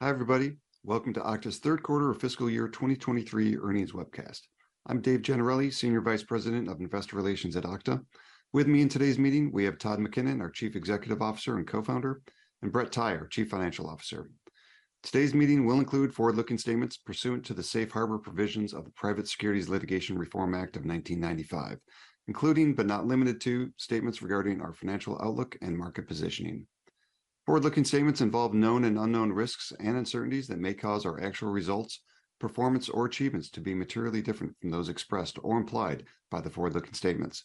Hi, everybody. Welcome to Okta's third quarter of fiscal year 2023 earnings webcast. I'm Dave Gennarelli, Senior Vice President of Investor Relations at Okta. With me in today's meeting, we have Todd McKinnon, our Chief Executive Officer and Co-founder, and Brett Tighe, Chief Financial Officer. Today's meeting will include forward-looking statements pursuant to the Safe Harbor provisions of the Private Securities Litigation Reform Act of 1995, including but not limited to, statements regarding our financial outlook and market positioning. Forward-looking statements involve known and unknown risks and uncertainties that may cause our actual results, performance, or achievements to be materially different from those expressed or implied by the forward-looking statements.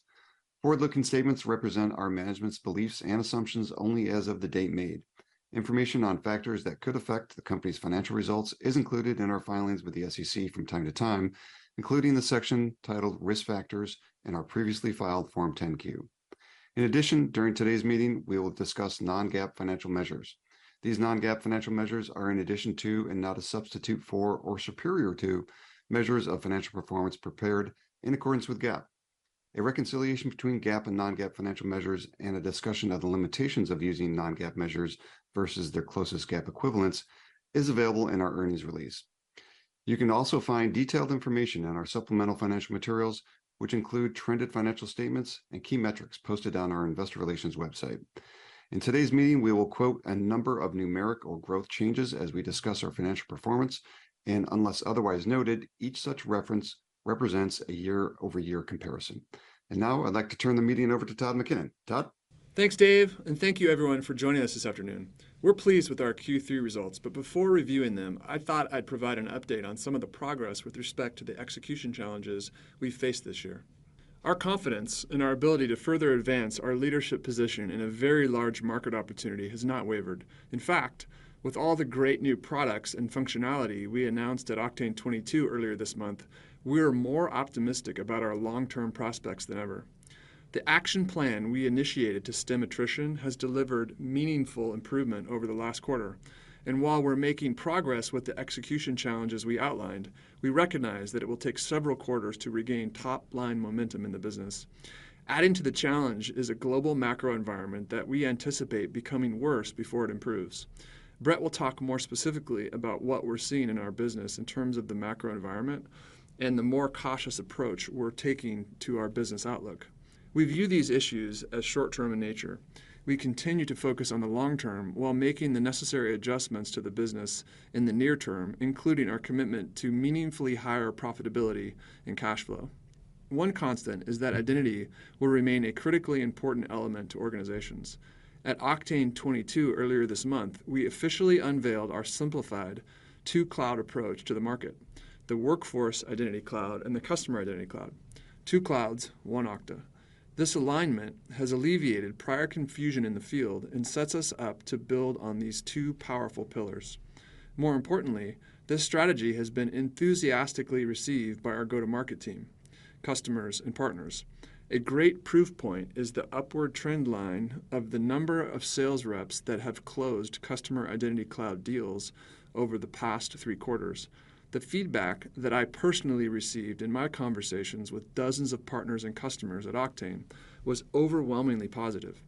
Forward-looking statements represent our management's beliefs and assumptions only as of the date made. Information on factors that could affect the company's financial results is included in our filings with the SEC from time to time, including the section titled Risk Factors in our previously filed Form 10-Q. In addition, during today's meeting, we will discuss non-GAAP financial measures. These non-GAAP financial measures are in addition to and not a substitute for or superior to measures of financial performance prepared in accordance with GAAP. A reconciliation between GAAP and non-GAAP financial measures and a discussion of the limitations of using non-GAAP measures versus their closest GAAP equivalents is available in our earnings release. You can also find detailed information on our supplemental financial materials, which include trended financial statements and key metrics posted on our investor relations website. In today's meeting, we will quote a number of numerical growth changes as we discuss our financial performance, and unless otherwise noted, each such reference represents a year-over-year comparison. Now I'd like to turn the meeting over to Todd McKinnon. Todd? Thanks, Dave. Thank you everyone for joining us this afternoon. We're pleased with our Q3 results, but before reviewing them, I thought I'd provide an update on some of the progress with respect to the execution challenges we faced this year. Our confidence in our ability to further advance our leadership position in a very large market opportunity has not wavered. In fact, with all the great new products and functionality we announced at Oktane22 earlier this month, we are more optimistic about our long-term prospects than ever. The action plan we initiated to stem attrition has delivered meaningful improvement over the last quarter, and while we're making progress with the execution challenges we outlined, we recognize that it will take several quarters to regain top-line momentum in the business. Adding to the challenge is a global macro environment that we anticipate becoming worse before it improves. Brett will talk more specifically about what we're seeing in our business in terms of the macro environment and the more cautious approach we're taking to our business outlook. We view these issues as short-term in nature. We continue to focus on the long term while making the necessary adjustments to the business in the near term, including our commitment to meaningfully higher profitability and cash flow. One constant is that identity will remain a critically important element to organizations. At Oktane22 earlier this month, we officially unveiled our simplified two-cloud approach to the market, the Workforce Identity Cloud and the Customer Identity Cloud. Two clouds, one Okta. This alignment has alleviated prior confusion in the field and sets us up to build on these two powerful pillars. More importantly, this strategy has been enthusiastically received by our go-to-market team, customers, and partners. A great proof point is the upward trend line of the number of sales reps that have closed Customer Identity Cloud deals over the past three quarters. The feedback that I personally received in my conversations with dozens of partners and customers at Oktane was overwhelmingly positive.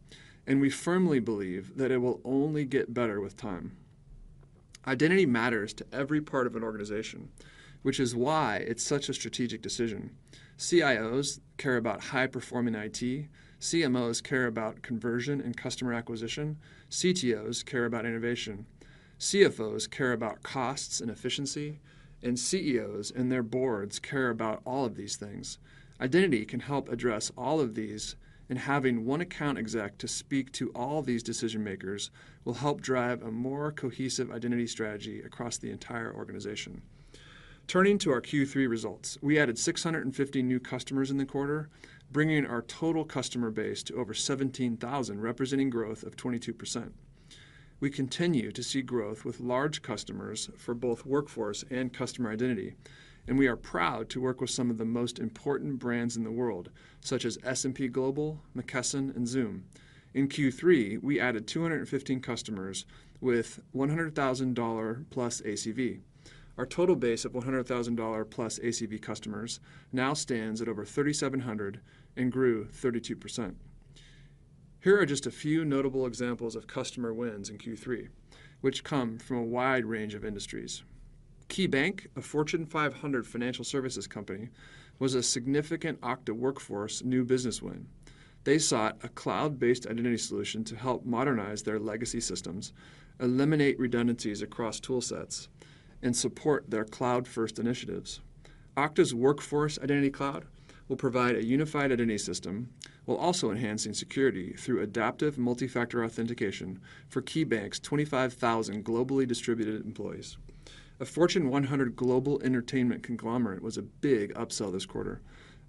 We firmly believe that it will only get better with time. Identity matters to every part of an organization, which is why it's such a strategic decision. CIOs care about high-performing IT, CMOs care about conversion and customer acquisition, CTOs care about innovation, CFOs care about costs and efficiency, and CEOs and their boards care about all of these things. Identity can help address all of these. Having one account exec to speak to all these decision-makers will help drive a more cohesive identity strategy across the entire organization. Turning to our Q3 results, we added 650 new customers in the quarter, bringing our total customer base to over 17,000, representing growth of 22%. We continue to see growth with large customers for both Workforce and Customer Identity, we are proud to work with some of the most important brands in the world, such as S&P Global, McKesson, and Zoom. In Q3, we added 215 customers with $100,000-plus ACV. Our total base of $100,000-plus ACV customers now stands at over 3,700 and grew 32%. Here are just a few notable examples of customer wins in Q3, which come from a wide range of industries. KeyBank, a Fortune 500 financial services company, was a significant Okta Workforce new business win. They sought a cloud-based identity solution to help modernize their legacy systems, eliminate redundancies across tool sets, and support their cloud-first initiatives. Okta's Workforce Identity Cloud will provide a unified identity system while also enhancing security through adaptive multi-factor authentication for KeyBank's 25,000 globally distributed employees. A Fortune 100 global entertainment conglomerate was a big upsell this quarter.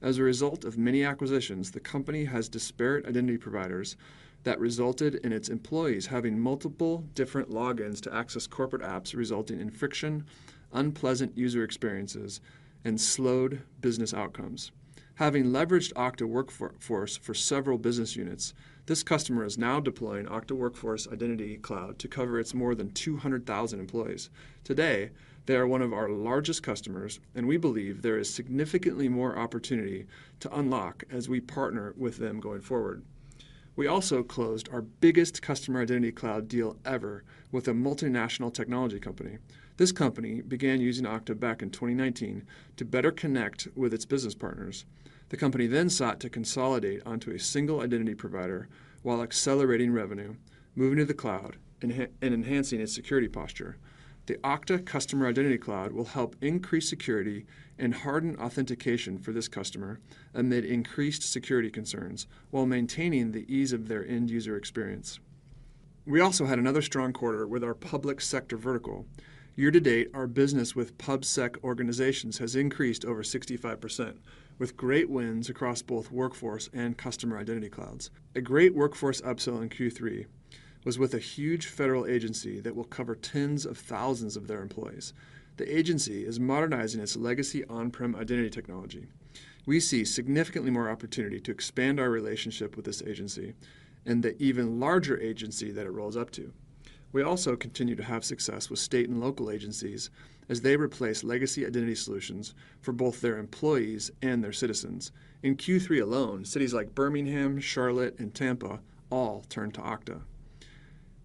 As a result of many acquisitions, the company has disparate identity providers that resulted in its employees having multiple different logins to access corporate apps, resulting in friction, unpleasant user experiences, and slowed business outcomes. Having leveraged Okta Workforce for several business units, this customer is now deploying Okta Workforce Identity Cloud to cover its more than 200,000 employees. Today, they are one of our largest customers. We believe there is significantly more opportunity to unlock as we partner with them going forward. We also closed our biggest Customer Identity Cloud deal ever with a multinational technology company. This company began using Okta back in 2019 to better connect with its business partners. The company sought to consolidate onto a single identity provider while accelerating revenue, moving to the cloud, and enhancing its security posture. The Okta Customer Identity Cloud will help increase security and harden authentication for this customer amid increased security concerns while maintaining the ease of their end-user experience. We also had another strong quarter with our public sector vertical. Year to date, our business with PubSec organizations has increased over 65%, with great wins across both Workforce Identity Cloud and Customer Identity Cloud. A great workforce upsell in Q3 was with a huge federal agency that will cover tens of thousands of their employees. The agency is modernizing its legacy on-prem identity technology. We see significantly more opportunity to expand our relationship with this agency and the even larger agency that it rolls up to. We also continue to have success with state and local agencies as they replace legacy identity solutions for both their employees and their citizens. In Q3 alone, cities like Birmingham, Charlotte, and Tampa all turned to Okta.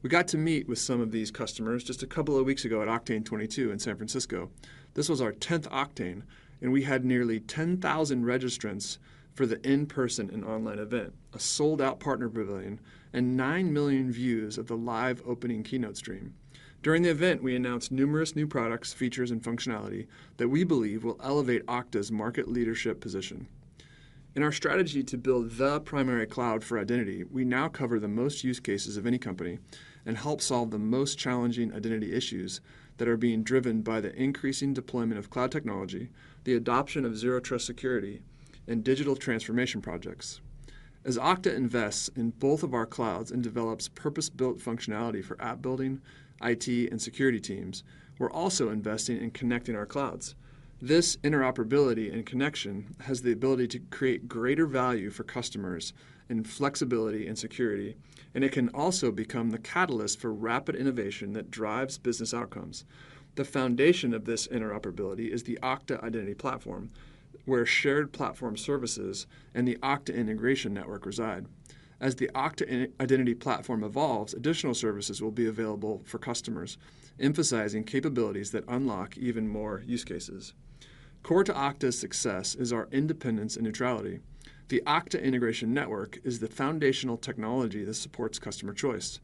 We got to meet with some of these customers just a couple of weeks ago at Oktane in San Francisco. This was our 10th Oktane, and we had nearly 10,000 registrants for the in-person and online event, a sold-out partner pavilion, and 9 million views of the live opening keynote stream. During the event, we announced numerous new products, features, and functionality that we believe will elevate Okta's market leadership position. In our strategy to build the primary cloud for identity, we now cover the most use cases of any company and help solve the most challenging identity issues that are being driven by the increasing deployment of cloud technology, the adoption of Zero Trust security, and digital transformation projects. As Okta invests in both of our clouds and develops purpose-built functionality for app building, IT, and security teams, we're also investing in connecting our clouds. This interoperability and connection has the ability to create greater value for customers in flexibility and security, and it can also become the catalyst for rapid innovation that drives business outcomes. The foundation of this interoperability is the Okta Identity Platform, where shared platform services and the Okta Integration Network reside. As the Okta Identity Platform evolves, additional services will be available for customers, emphasizing capabilities that unlock even more use cases. Core to Okta's success is our independence and neutrality. The Okta Integration Network is the foundational technology that supports customer choice.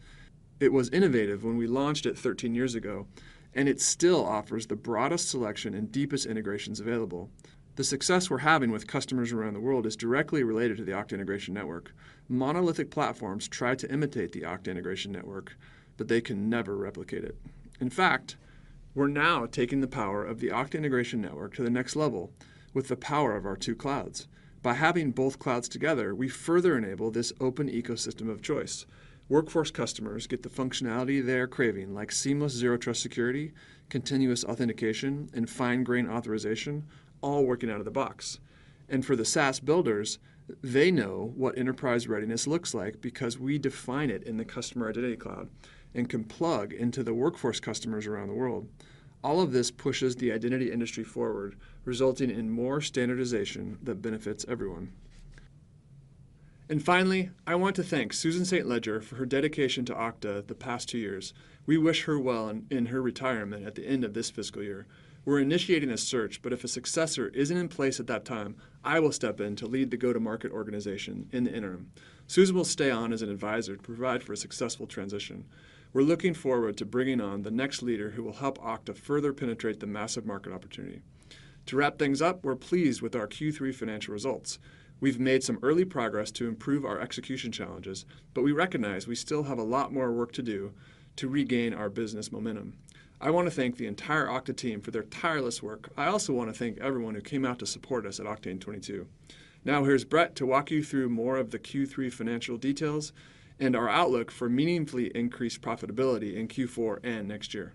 It was innovative when we launched it 13 years ago, and it still offers the broadest selection and deepest integrations available. The success we're having with customers around the world is directly related to the Okta Integration Network. Monolithic platforms try to imitate the Okta Integration Network, but they can never replicate it. In fact, we're now taking the power of the Okta Integration Network to the next level with the power of our two clouds. By having both clouds together, we further enable this open ecosystem of choice. Workforce customers get the functionality they are craving, like seamless Zero Trust security, continuous authentication, and fine-grained authorization, all working out of the box. For the SaaS builders, they know what enterprise readiness looks like because we define it in the Customer Identity Cloud and can plug into the Workforce customers around the world. All of this pushes the identity industry forward, resulting in more standardization that benefits everyone. Finally, I want to thank Susan St. Ledger for her dedication to Okta the past two years. We wish her well in her retirement at the end of this fiscal year. We're initiating a search, if a successor isn't in place at that time, I will step in to lead the go-to-market organization in the interim. Susan will stay on as an advisor to provide for a successful transition. We're looking forward to bringing on the next leader who will help Okta further penetrate the massive market opportunity. To wrap things up, we're pleased with our Q3 financial results. We've made some early progress to improve our execution challenges. We recognize we still have a lot more work to do to regain our business momentum. I want to thank the entire Okta team for their tireless work. I also want to thank everyone who came out to support us at Oktane22. Here's Brett to walk you through more of the Q3 financial details and our outlook for meaningfully increased profitability in Q4 and next year.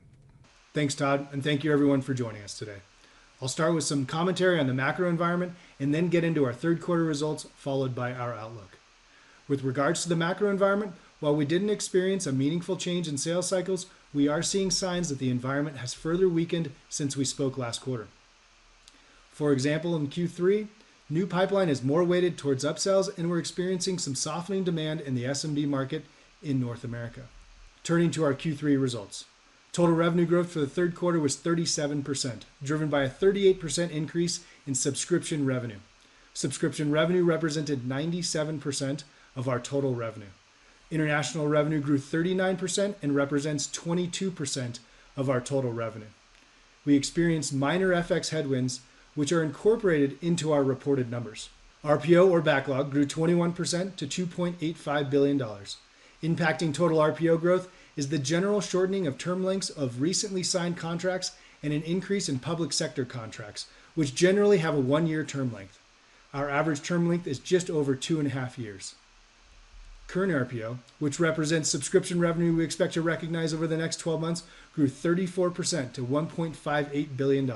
Thanks, Todd. Thank you everyone for joining us today. I'll start with some commentary on the macro environment and then get into our third quarter results, followed by our outlook. With regards to the macro environment, while we didn't experience a meaningful change in sales cycles, we are seeing signs that the environment has further weakened since we spoke last quarter. For example, in Q3, new pipeline is more weighted towards upsells, and we're experiencing some softening demand in the SMB market in North America. Turning to our Q3 results, total revenue growth for the third quarter was 37%, driven by a 38% increase in subscription revenue. Subscription revenue represented 97% of our total revenue. International revenue grew 39% and represents 22% of our total revenue. We experienced minor FX headwinds, which are incorporated into our reported numbers. RPO, or backlog, grew 21% to $2.85 billion. Impacting total RPO growth is the general shortening of term lengths of recently signed contracts and an increase in public sector contracts, which generally have a one-year term length. Our average term length is just over two and a half years. Current RPO, which represents subscription revenue we expect to recognize over the next 12 months, grew 34% to $1.58 billion.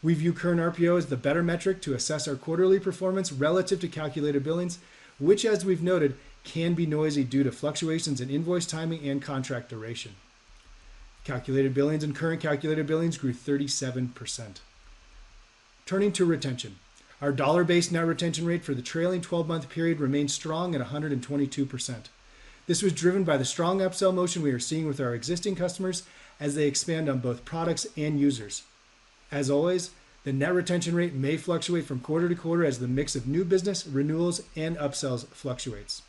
We view Current RPO as the better metric to assess our quarterly performance relative to calculated billings, which, as we've noted, can be noisy due to fluctuations in invoice timing and contract duration. Calculated billings and current calculated billings grew 37%. Turning to retention. Our dollar-based net retention rate for the trailing 12-month period remained strong at 122%. This was driven by the strong upsell motion we are seeing with our existing customers as they expand on both products and users. As always, the net retention rate may fluctuate from quarter to quarter as the mix of new business renewals and upsells fluctuates.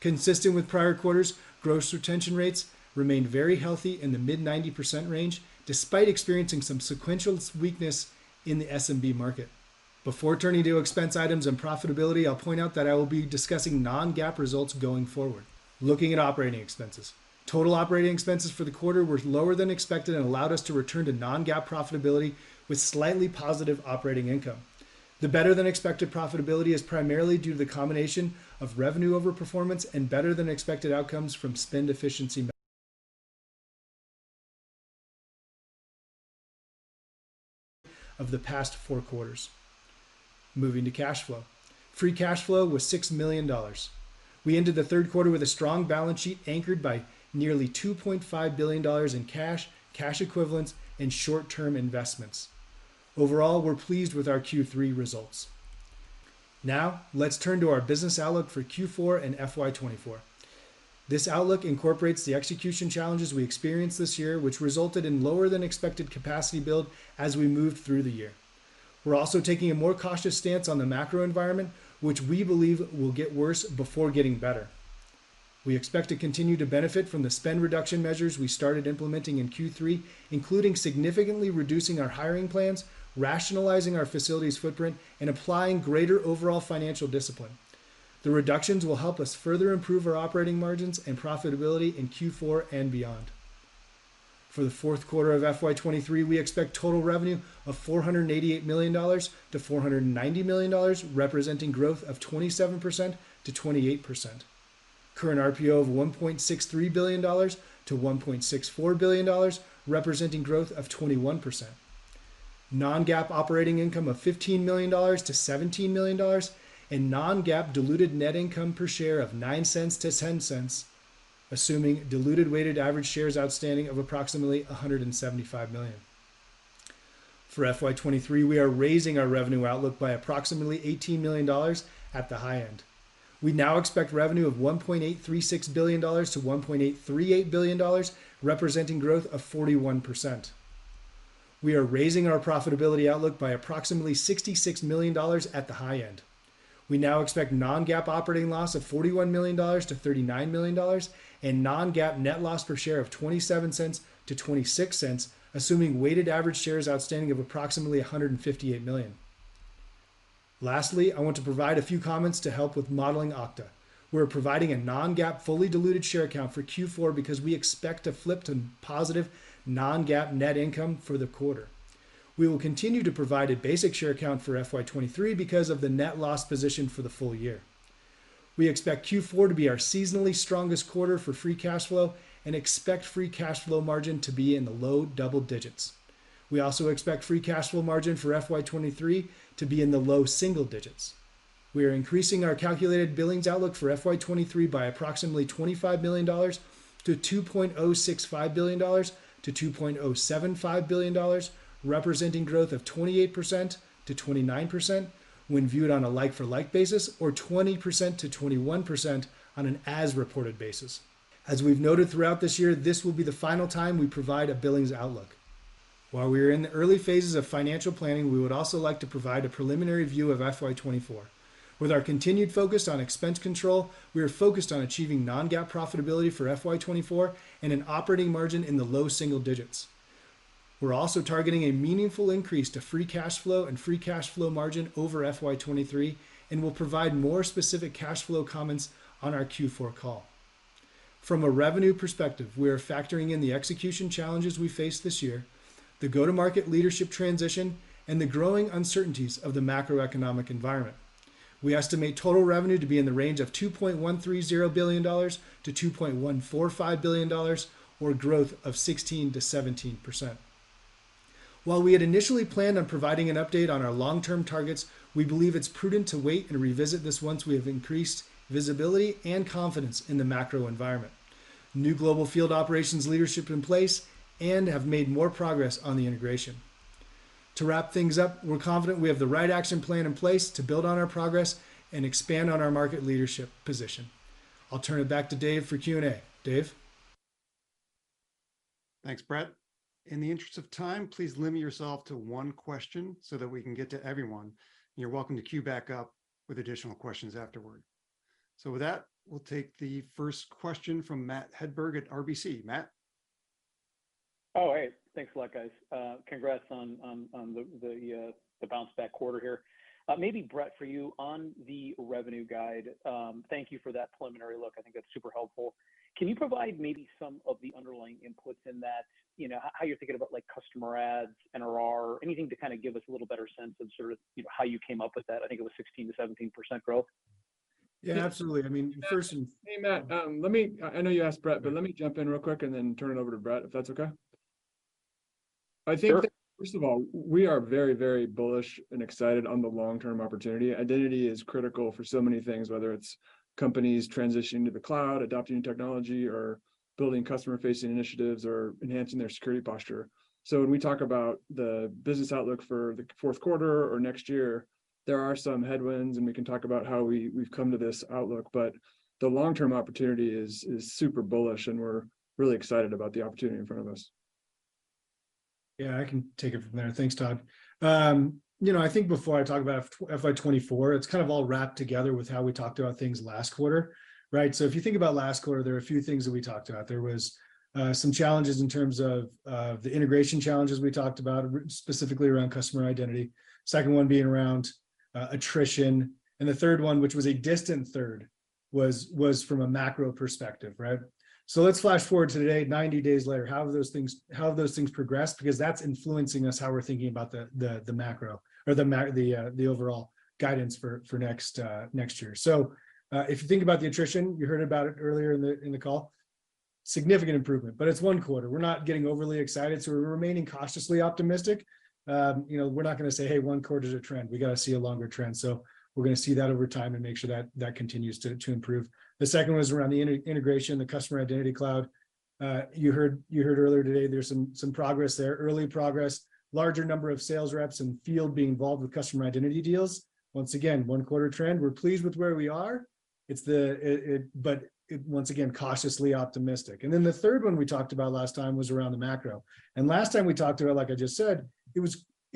Consistent with prior quarters, gross retention rates remained very healthy in the mid-90% range, despite experiencing some sequential weakness in the SMB market. Before turning to expense items and profitability, I'll point out that I will be discussing non-GAAP results going forward. Looking at operating expenses. Total operating expenses for the quarter were lower than expected and allowed us to return to non-GAAP profitability with slightly positive operating income. The better-than-expected profitability is primarily due to the combination of revenue overperformance and better than expected outcomes from spend efficiency measures of the past four quarters. Moving to cash flow. Free cash flow was $6 million. We ended the third quarter with a strong balance sheet anchored by nearly $2.5 billion in cash equivalents, and short-term investments. Overall, we're pleased with our Q3 results. Now, let's turn to our business outlook for Q4 and FY 2024. This outlook incorporates the execution challenges we experienced this year, which resulted in lower than expected capacity build as we moved through the year. We're also taking a more cautious stance on the macro environment, which we believe will get worse before getting better. We expect to continue to benefit from the spend reduction measures we started implementing in Q3, including significantly reducing our hiring plans, rationalizing our facilities footprint, and applying greater overall financial discipline. The reductions will help us further improve our operating margins and profitability in Q4 and beyond. For the fourth quarter of FY 2023, we expect total revenue of $488 million-$490 million, representing growth of 27%-28%. Current RPO of $1.63 billion-$1.64 billion, representing growth of 21%. non-GAAP operating income of $15 million-$17 million, and non-GAAP diluted net income per share of $0.09-$0.10, assuming diluted weighted average shares outstanding of approximately 175 million. For FY 2023, we are raising our revenue outlook by approximately $18 million at the high end. We now expect revenue of $1.836 billion-$1.838 billion, representing growth of 41%. We are raising our profitability outlook by approximately $66 million at the high end. We now expect non-GAAP operating loss of $41 million-$39 million, and non-GAAP net loss per share of $0.27-$0.26, assuming weighted average shares outstanding of approximately 158 million. Lastly, I want to provide a few comments to help with modeling Okta. We're providing a non-GAAP fully diluted share count for Q4 because we expect to flip to positive non-GAAP net income for the quarter. We will continue to provide a basic share count for FY 2023 because of the net loss position for the full year. We expect Q4 to be our seasonally strongest quarter for free cash flow, and expect free cash flow margin to be in the low double digits. We also expect free cash flow margin for FY 2023 to be in the low single digits. We are increasing our calculated billings outlook for FY 2023 by approximately $25 million to $2.065 billion-$2.075 billion, representing growth of 28%-29% when viewed on a like-for-like basis, or 20%-21% on an as reported basis. As we've noted throughout this year, this will be the final time we provide a billings outlook. While we are in the early phases of financial planning, we would also like to provide a preliminary view of FY 2024. With our continued focus on expense control, we are focused on achieving non-GAAP profitability for FY 2024 and an operating margin in the low single digits. We're also targeting a meaningful increase to free cash flow and free cash flow margin over FY 2023. We'll provide more specific cash flow comments on our Q4 call. From a revenue perspective, we are factoring in the execution challenges we faced this year, the go-to-market leadership transition, and the growing uncertainties of the macroeconomic environment. We estimate total revenue to be in the range of $2.13 billion-$2.145 billion, or growth of 16%-17%. While we had initially planned on providing an update on our long-term targets, we believe it's prudent to wait and revisit this once we have increased visibility and confidence in the macro environment, new global field operations leadership in place, and have made more progress on the integration. To wrap things up, we're confident we have the right action plan in place to build on our progress and expand on our market leadership position. I'll turn it back to Dave for Q&A. Dave? Thanks, Brett. In the interest of time, please limit yourself to one question so that we can get to everyone. You're welcome to queue back up with additional questions afterward. With that, we'll take the first question from Matthew Hedberg at RBC. Matt? Hey. Thanks a lot, guys. Congrats on the bounce back quarter here. Maybe Brett, for you, on the revenue guide, thank you for that preliminary look. I think that's super helpful. Can you provide maybe some of the underlying inputs in that? You know, how you're thinking about like customer adds, NRR, anything to kind of give us a little better sense of sort of, you know, how you came up with that. I think it was 16%-17% growth. Yeah, absolutely. I mean, first and- Hey, Matt, I know you asked Brett, but let me jump in real quick and then turn it over to Brett, if that's okay. I think that first of all, we are very, very bullish and excited on the long-term opportunity. Identity is critical for so many things, whether it's companies transitioning to the cloud, adopting technology, or building customer-facing initiatives, or enhancing their security posture. When we talk about the business outlook for the fourth quarter or next year, there are some headwinds, and we can talk about how we've come to this outlook. The long-term opportunity is super bullish, and we're really excited about the opportunity in front of us. Yeah, I can take it from there. Thanks, Todd. You know, I think before I talk about FY 2024, it's kind of all wrapped together with how we talked about things last quarter, right. If you think about last quarter, there are a few things that we talked about. There was some challenges in terms of the integration challenges we talked about, specifically around Customer Identity. Second one being around attrition. The third one, which was a distant third, was from a macro perspective, right. Let's flash forward to today, 90 days later. How have those things progressed? Because that's influencing us how we're thinking about the macro or the overall guidance for next year. If you think about the attrition, you heard about it earlier in the call, significant improvement, but it's one quarter. We're not getting overly excited, we're remaining cautiously optimistic. You know, we're not gonna say, "Hey, one quarter's a trend." We gotta see a longer trend. We're gonna see that over time and make sure that continues to improve. The second was around the integration, the Customer Identity Cloud. You heard earlier today there's some progress there, early progress. Larger number of sales reps in field being involved with customer identity deals. Once again, one-quarter trend. We're pleased with where we are. It's once again, cautiously optimistic. The third one we talked about last time was around the macro. Last time we talked about it, like I just said,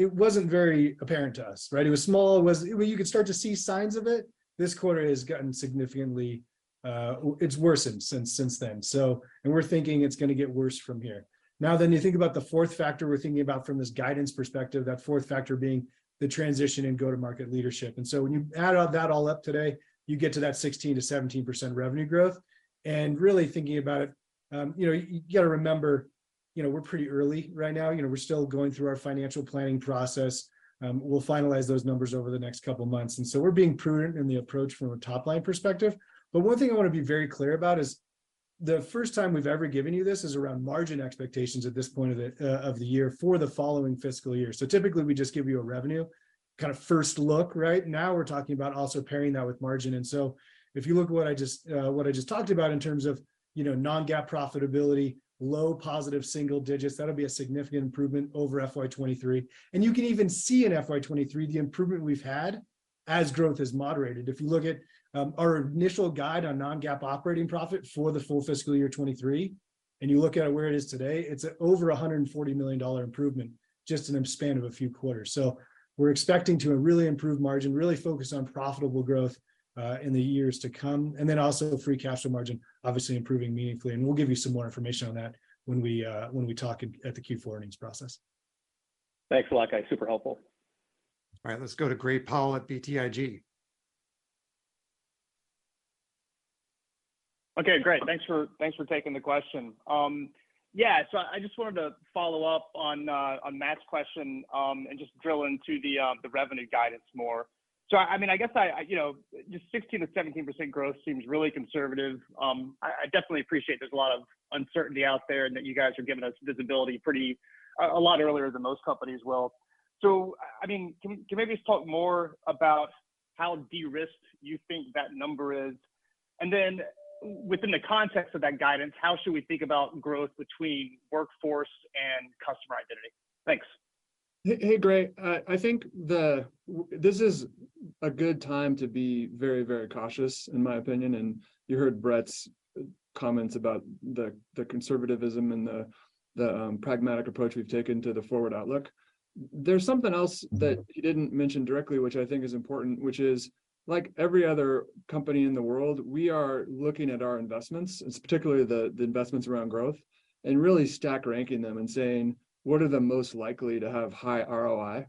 it wasn't very apparent to us, right? It was small. Well, you could start to see signs of it. This quarter has gotten significantly, it's worsened since then. We're thinking it's gonna get worse from here. You think about the fourth factor we're thinking about from this guidance perspective, that fourth factor being the transition in go-to-market leadership. When you add all that all up today, you get to that 16%-17% revenue growth. Really thinking about it, you know, you gotta remember, you know, we're pretty early right now. You know, we're still going through our financial planning process. We'll finalize those numbers over the next couple months, we're being prudent in the approach from a top-line perspective. One thing I wanna be very clear about is the first time we've ever given you this is around margin expectations at this point of the year for the following fiscal year. Typically, we just give you a revenue kind of first look, right? Now we're talking about also pairing that with margin. If you look at what I just what I just talked about in terms of, you know, non-GAAP profitability, low positive single digits, that'll be a significant improvement over FY 2023. You can even see in FY 2023 the improvement we've had as growth has moderated. If you look at our initial guide on non-GAAP operating profit for the full fiscal year 2023, and you look at where it is today, it's over a $140 million improvement just in a span of a few quarters. We're expecting to really improve margin, really focus on profitable growth in the years to come. Also free cash flow margin obviously improving meaningfully, and we'll give you some more information on that when we talk at the Q4 earnings process. Thanks a lot, guys. Super helpful. All right, let's go to Gray Powell at BTIG. Okay, great. Thanks for, thanks for taking the question. I just wanted to follow up on Matt's question and just drill into the revenue guidance more. I mean, I guess I, you know, just 16%-17% growth seems really conservative. I definitely appreciate there's a lot of uncertainty out there and that you guys are giving us visibility pretty a lot earlier than most companies will. I mean, can maybe just talk more about how de-risked you think that number is? Within the context of that guidance, how should we think about growth between Workforce and Customer Identity? Thanks. Hey, Gray. I think this is a good time to be very cautious, in my opinion, and you heard Brett's comments about the conservatism and the pragmatic approach we've taken to the forward outlook. There's something else that he didn't mention directly, which I think is important, which is, like every other company in the world, we are looking at our investments, and particularly the investments around growth, and really stack ranking them and saying, "What are the most likely to have high ROI,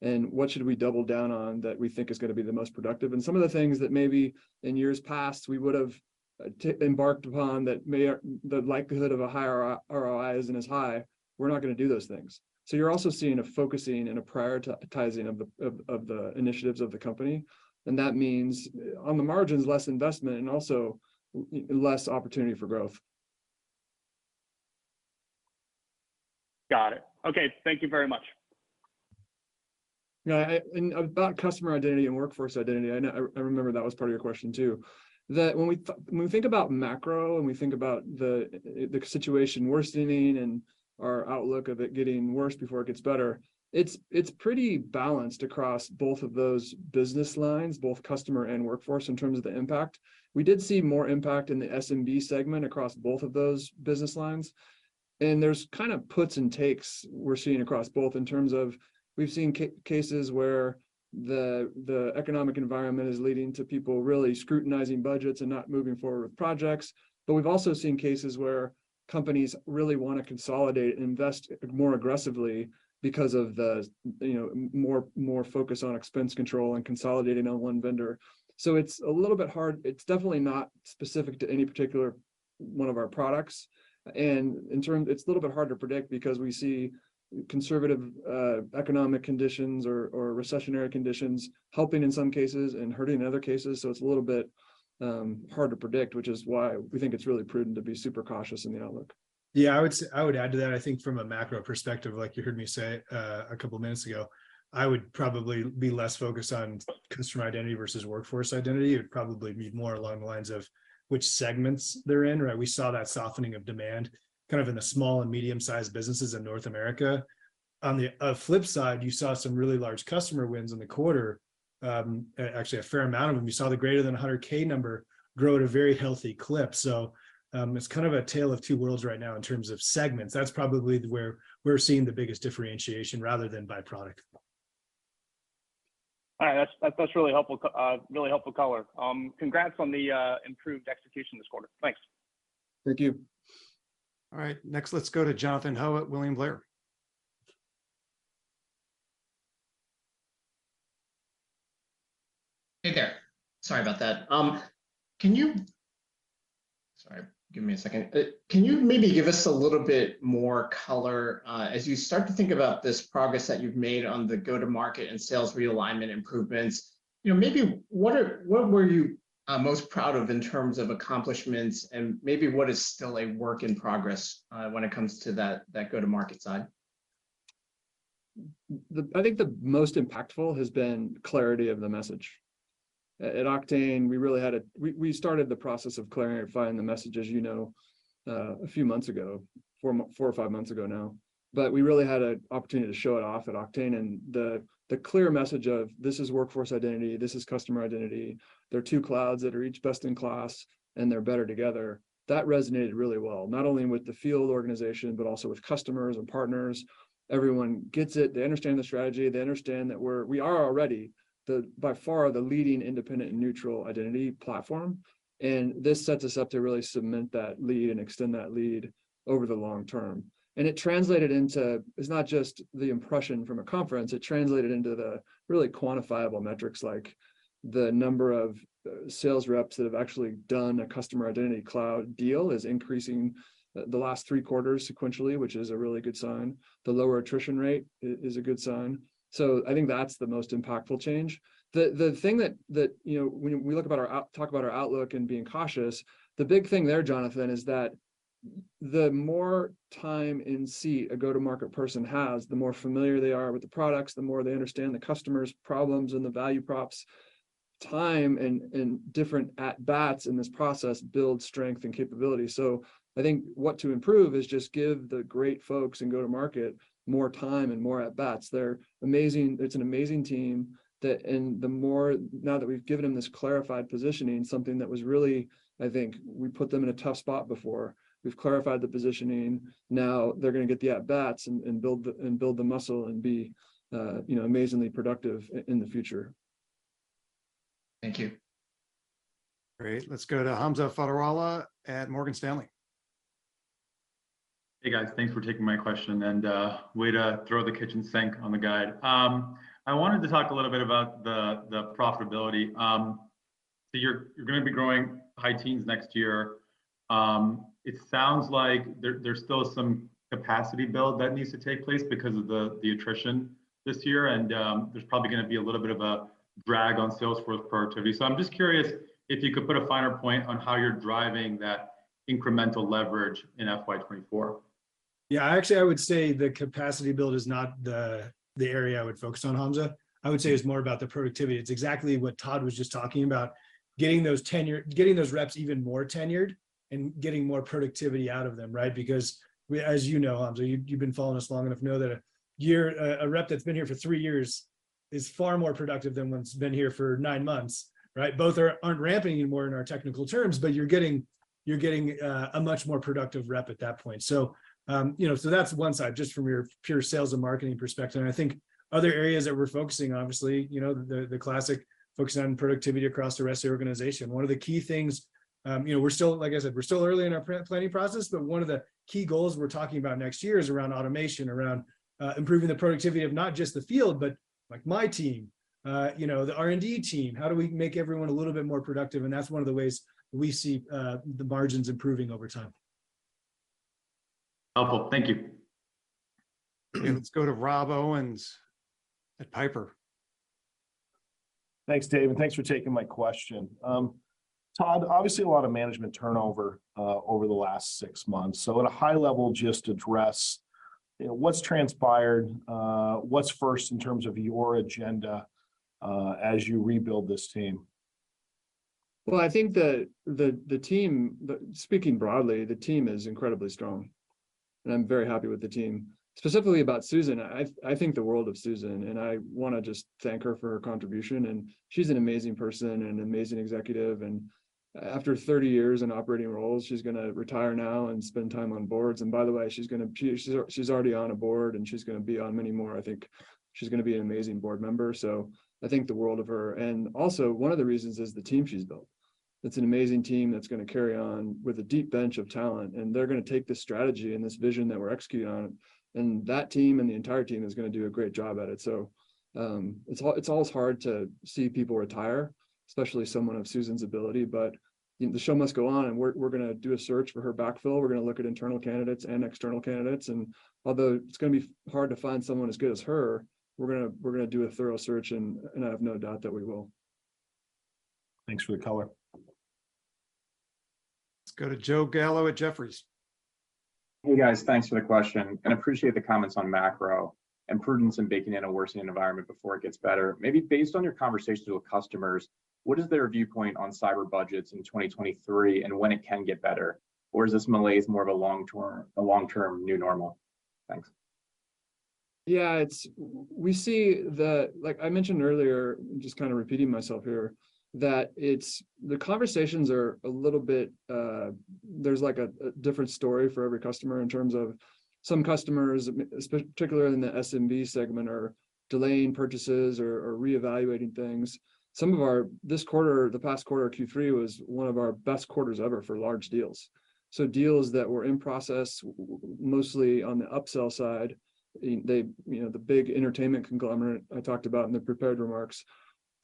and what should we double down on that we think is gonna be the most productive?" Some of the things that maybe in years past we would have embarked upon that may, the likelihood of a high ROI isn't as high, we're not gonna do those things. You're also seeing a focusing and a prioritizing of the initiatives of the company, and that means on the margins, less investment and also less opportunity for growth. Got it. Okay, thank you very much. Yeah, and about Customer Identity and Workforce Identity, I know, I remember that was part of your question too. When we think about macro and we think about the situation worsening and our outlook of it getting worse before it gets better, it's pretty balanced across both of those business lines, both Customer and Workforce, in terms of the impact. We did see more impact in the SMB segment across both of those business lines, and there's kind of puts and takes we're seeing across both in terms of we've seen cases where the economic environment is leading to people really scrutinizing budgets and not moving forward with projects. We've also seen cases where companies really wanna consolidate and invest more aggressively because of the, you know, more focus on expense control and consolidating on one vendor. It's a little bit hard. It's definitely not specific to any particular one of our products. It's a little bit hard to predict because we see conservative economic conditions or recessionary conditions helping in some cases and hurting in other cases. It's a little bit hard to predict, which is why we think it's really prudent to be super cautious in the outlook. Yeah, I would add to that, I think from a macro perspective, like you heard me say, a couple minutes ago, I would probably be less focused on Customer Identity versus Workforce Identity. It would probably be more along the lines of which segments they're in, right? We saw that softening of demand kind of in the small and medium-sized businesses in North America. On the flip side, you saw some really large customer wins in the quarter, actually a fair amount of them. You saw the greater than 100,000 number grow at a very healthy clip. It's kind of a tale of two worlds right now in terms of segments. That's probably where we're seeing the biggest differentiation rather than by product. All right. That's really helpful color. Congrats on the improved execution this quarter. Thanks. Thank you. All right. Next, let's go to Jonathan Ho at William Blair. Hey there. Sorry about that. Can you give me a second? Can you maybe give us a little bit more color, as you start to think about this progress that you've made on the go-to-market and sales realignment improvements, you know, maybe what were you most proud of in terms of accomplishments? Maybe what is still a work in progress when it comes to that go-to-market side? I think the most impactful has been clarity of the message. At Oktane, we really started the process of clarifying the message, as you know, a few months ago, four or five months ago now. we really had a opportunity to show it off at Oktane, and the clear message of, this is Workforce Identity, this is Customer Identity, they're two clouds that are each best in class, and they're better together, that resonated really well, not only with the field organization, but also with customers and partners. Everyone gets it. They understand the strategy. They understand that we are already the, by far, the leading independent and neutral identity platform. This sets us up to really cement that lead and extend that lead over the long term. It translated into... It's not just the impression from a conference, it translated into the really quantifiable metrics, like the number of sales reps that have actually done a Customer Identity Cloud deal is increasing the last three quarters sequentially, which is a really good sign. The lower attrition rate is a good sign. I think that's the most impactful change. The thing that, you know, when we talk about our outlook and being cautious, the big thing there, Jonathan, is that the more time in seat a go-to-market person has, the more familiar they are with the products, the more they understand the customer's problems and the value props. Time and different at bats in this process builds strength and capability. I think what to improve is just give the great folks in go-to-market more time and more at bats. They're amazing. It's an amazing team that now that we've given them this clarified positioning, something that was really, I think, we put them in a tough spot before. We've clarified the positioning. Now they're gonna get the at bats and build the muscle and be, you know, amazingly productive in the future. Thank you. Great. Let's go to Hamza Fodderwala at Morgan Stanley. Hey, guys. Thanks for taking my question. Way to throw the kitchen sink on the guide. I wanted to talk a little bit about the profitability. You're gonna be growing high teens next year. It sounds like there's still some capacity build that needs to take place because of the attrition this year, and there's probably gonna be a little bit of a drag on sales growth productivity. I'm just curious if you could put a finer point on how you're driving that incremental leverage in FY 2024. Actually, I would say the capacity build is not the area I would focus on, Hamza. I would say it's more about the productivity. It's exactly what Todd was just talking about. Getting those reps even more tenured and getting more productivity out of them, right? Because we, as you know, Hamza, you've been following us long enough to know that a year. A rep that's been here for three years is far more productive than one that's been here for nine months, right? Both aren't ramping anymore in our technical terms, but you're getting a much more productive rep at that point. You know, that's one side, just from your pure sales and marketing perspective. I think other areas that we're focusing, obviously, you know, the classic focus on productivity across the rest of the organization. One of the key things, you know, we're still, like I said, we're still early in our planning process, but one of the key goals we're talking about next year is around automation, around improving the productivity of not just the field, but, like, my team, you know, the R&D team. How do we make everyone a little bit more productive? That's one of the ways we see the margins improving over time. Helpful. Thank you. Let's go to Rob Owens at Piper. Thanks, Dave, and thanks for taking my question. Todd, obviously a lot of management turnover, over the last six months. At a high level, just address, you know, what's transpired, what's first in terms of your agenda, as you rebuild this team? I think the team. Speaking broadly, the team is incredibly strong, and I'm very happy with the team. Specifically about Susan, I think the world of Susan, and I wanna just thank her for her contribution. She's an amazing person and an amazing executive, and after 30 years in operating roles, she's gonna retire now and spend time on boards. By the way, she's gonna, she's already on a board, and she's gonna be on many more. I think she's gonna be an amazing board member. I think the world of her. Also, one of the reasons is the team she's built. It's an amazing team that's gonna carry on with a deep bench of talent, and they're gonna take this strategy and this vision that we're executing on, and that team and the entire team is gonna do a great job at it. It's always hard to see people retire, especially someone of Susan's ability, but, you know, the show must go on, and we're gonna do a search for her backfill. We're gonna look at internal candidates and external candidates. Although it's gonna be hard to find someone as good as her, we're gonna do a thorough search, and I have no doubt that we will. Thanks for the color. Let's go to Joseph Gallo at Jefferies. Hey, guys. Thanks for the question. Appreciate the comments on macro and prudence in baking in a worsening environment before it gets better. Maybe based on your conversations with customers, what is their viewpoint on cyber budgets in 2023 and when it can get better? Or is this malaise more of a long-term new normal? Thanks. It's... We see the, like I mentioned earlier, just kind of repeating myself here, that it's, the conversations are a little bit, there's like a different story for every customer in terms of some customers, particularly in the SMB segment, are delaying purchases or reevaluating things. This quarter, the past quarter, Q3, was one of our best quarters ever for large deals. Deals that were in process mostly on the upsell side, they, you know, the big entertainment conglomerate I talked about in the prepared remarks,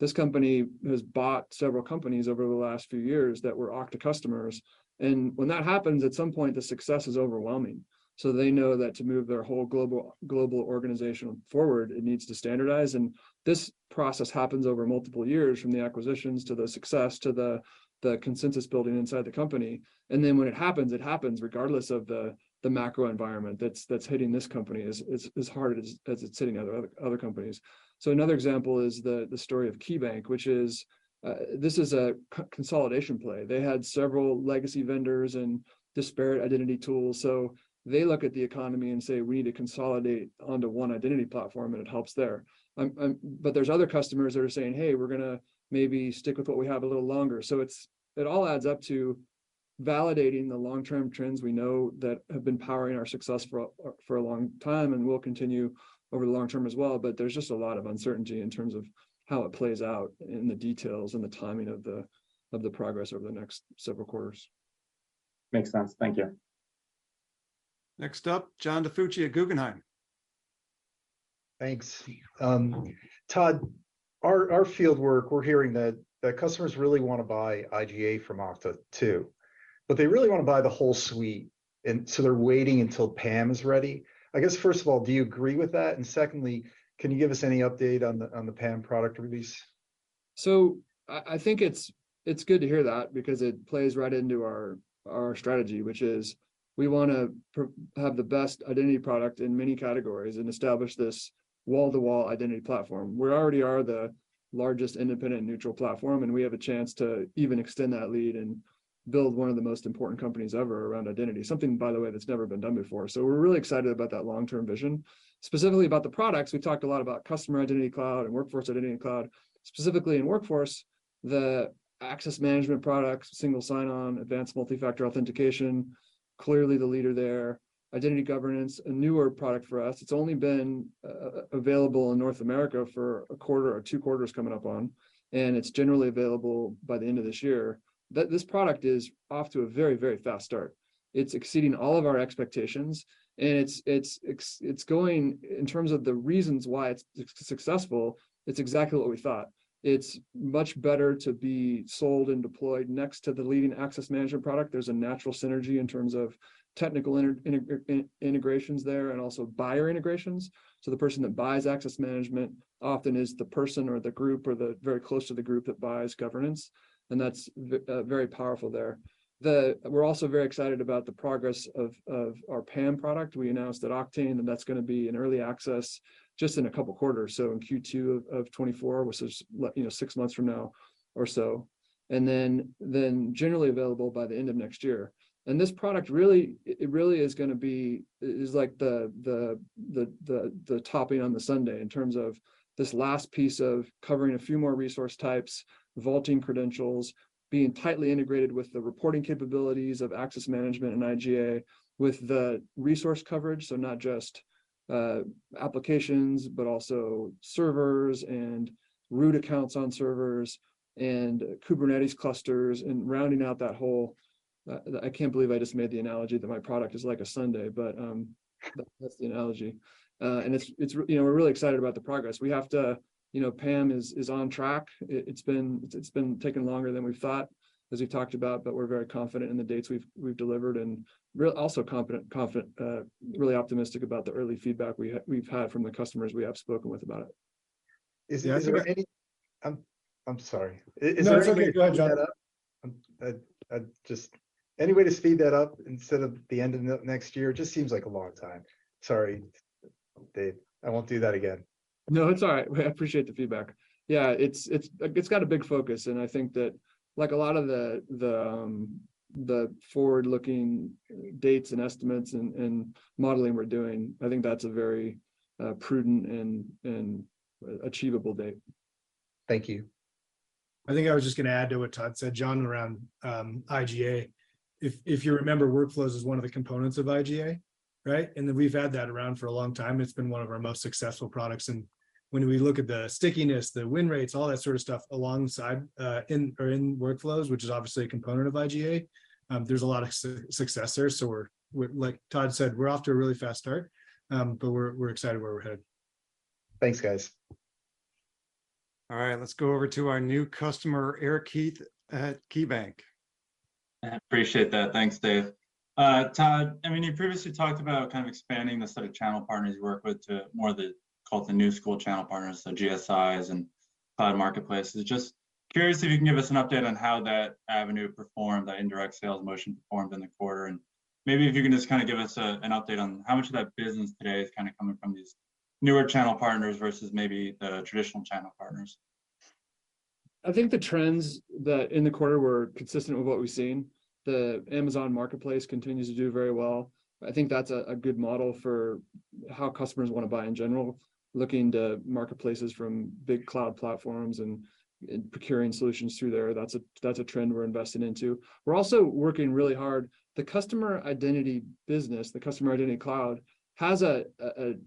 this company has bought several companies over the last few years that were Okta customers, and when that happens, at some point the success is overwhelming. They know that to move their whole global organization forward, it needs to standardize, and this process happens over multiple years from the acquisitions to the success to the consensus building inside the company. When it happens, it happens regardless of the macro environment that's hitting this company as hard as it's hitting other companies. Another example is the story of KeyBank, which is this is a consolidation play. They had several legacy vendors and disparate identity tools, so they look at the economy and say, "We need to consolidate onto one identity platform," and it helps there. There's other customers that are saying, "Hey, we're gonna maybe stick with what we have a little longer." It's, it all adds up to validating the long-term trends we know that have been powering our success for a long time and will continue over the long term as well, but there's just a lot of uncertainty in terms of how it plays out in the details and the timing of the progress over the next several quarters. Makes sense. Thank you. Next up, John DiFucci at Guggenheim. Thanks. Todd, our field work, we're hearing that customers really wanna buy IGA from Okta too, but they really wanna buy the whole suite, and so they're waiting until PAM is ready. I guess, first of all, do you agree with that? Secondly, can you give us any update on the PAM product release? I think it's good to hear that because it plays right into our strategy, which is we wanna have the best identity product in many categories and establish this wall-to-wall identity platform. We already are the largest independent neutral platform, and we have a chance to even extend that lead and build one of the most important companies ever around identity. Something, by the way, that's never been done before. We're really excited about that long-term vision. Specifically about the products, we've talked a lot about Customer Identity Cloud and Workforce Identity Cloud. Specifically in Workforce, the access management products, single sign-on, advanced multi-factor authentication, clearly the leader there. Identity Governance, a newer product for us. It's only been available in North America for a quarter or two quarters coming up on, and it's generally available by the end of this year. This product is off to a very, very fast start. It's exceeding all of our expectations, and it's going, in terms of the reasons why it's successful, it's exactly what we thought. It's much better to be sold and deployed next to the leading access management product. There's a natural synergy in terms of technical integrations there, and also buyer integrations. The person that buys access management often is the person or the group or the very close to the group that buys governance, and that's very powerful there. We're also very excited about the progress of our PAM product. We announced at Oktane that that's going to be in early access just in a couple quarters, so in Q2 of 2024, which is you know, six months from now or so. Then generally available by the end of next year. This product really is like the topping on the sundae in terms of this last piece of covering a few more resource types, vaulting credentials, being tightly integrated with the reporting capabilities of access management and IGA with the resource coverage, so not just applications, but also servers and root accounts on servers and Kubernetes clusters, and rounding out that whole. I can't believe I just made the analogy that my product is like a sundae, but that's the analogy. It's, you know, we're really excited about the progress. We have to, you know, PAM is on track. It's been taking longer than we thought, as we've talked about, but we're very confident in the dates we've delivered and real, also confident, really optimistic about the early feedback we've had from the customers we have spoken with about it. Is there any? Yeah. I'm sorry. Is there any way to speed that up? No, it's okay. Go ahead, John. I'm, I just. Any way to speed that up instead of the end of next year? It just seems like a long time. Sorry, Dave. I won't do that again. No, it's all right. We appreciate the feedback. It's got a big focus, and I think that like a lot of the forward-looking dates and estimates and modeling we're doing, I think that's a very, prudent and achievable date. Thank you. I think I was just gonna add to what Todd said, John, around IGA. If you remember, Workflows is one of the components of IGA, right? We've had that around for a long time. It's been one of our most successful products. When we look at the stickiness, the win rates, all that sort of stuff alongside in, or in Workflows, which is obviously a component of IGA, there's a lot of success there. We're, like Todd said, we're off to a really fast start. We're excited where we're headed. Thanks, guys. All right. Let's go over to our new customer, Eric Heath at KeyBanc Capital Markets. Appreciate that. Thanks, Dave. Todd, I mean, you previously talked about kind of expanding the set of channel partners you work with to more of the, call it the new school channel partners, so GSIs and cloud marketplaces. Just curious if you can give us an update on how that avenue performed, that indirect sales motion performed in the quarter. Maybe if you can just kind of give us a, an update on how much of that business today is kind of coming from these newer channel partners versus maybe the traditional channel partners. I think the trends that in the quarter were consistent with what we've seen. The Amazon Marketplace continues to do very well. I think that's a good model for how customers wanna buy in general, looking to marketplaces from big cloud platforms and procuring solutions through there. That's a trend we're investing into. We're also working really hard. The customer identity business, the Customer Identity Cloud, has a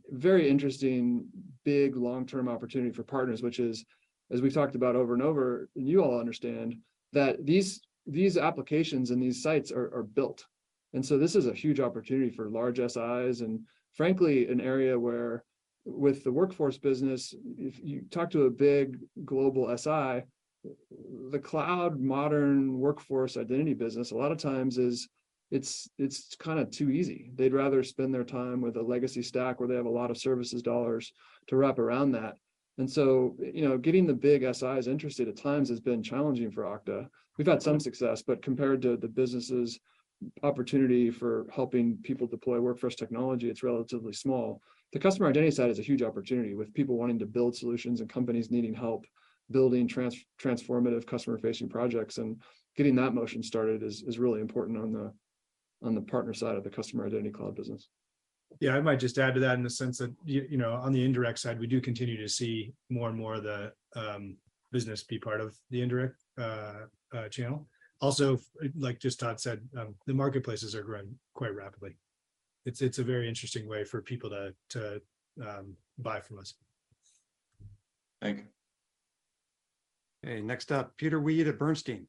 very interesting, big, long-term opportunity for partners, which is, as we've talked about over and over, and you all understand, that these applications and these sites are built. So this is a huge opportunity for large SIs, and frankly, an area where with the workforce business, if you talk to a big global SI, the cloud modern workforce identity business, a lot of times is it's kinda too easy. They'd rather spend their time with a legacy stack where they have a lot of services dollars to wrap around that. You know, getting the big SIs interested at times has been challenging for Okta. Compared to the business' opportunity for helping people deploy workforce technology, it's relatively small. The customer identity side is a huge opportunity with people wanting to build solutions and companies needing help building transformative customer-facing projects, and getting that motion started is really important on the partner side of the Customer Identity Cloud business. Yeah, I might just add to that in the sense that you know, on the indirect side, we do continue to see more and more of the business be part of the indirect channel. Also, like just Todd said, the marketplaces are growing quite rapidly. It's a very interesting way for people to buy from us. Thank you. Okay. Next up, Peter Weed at Bernstein.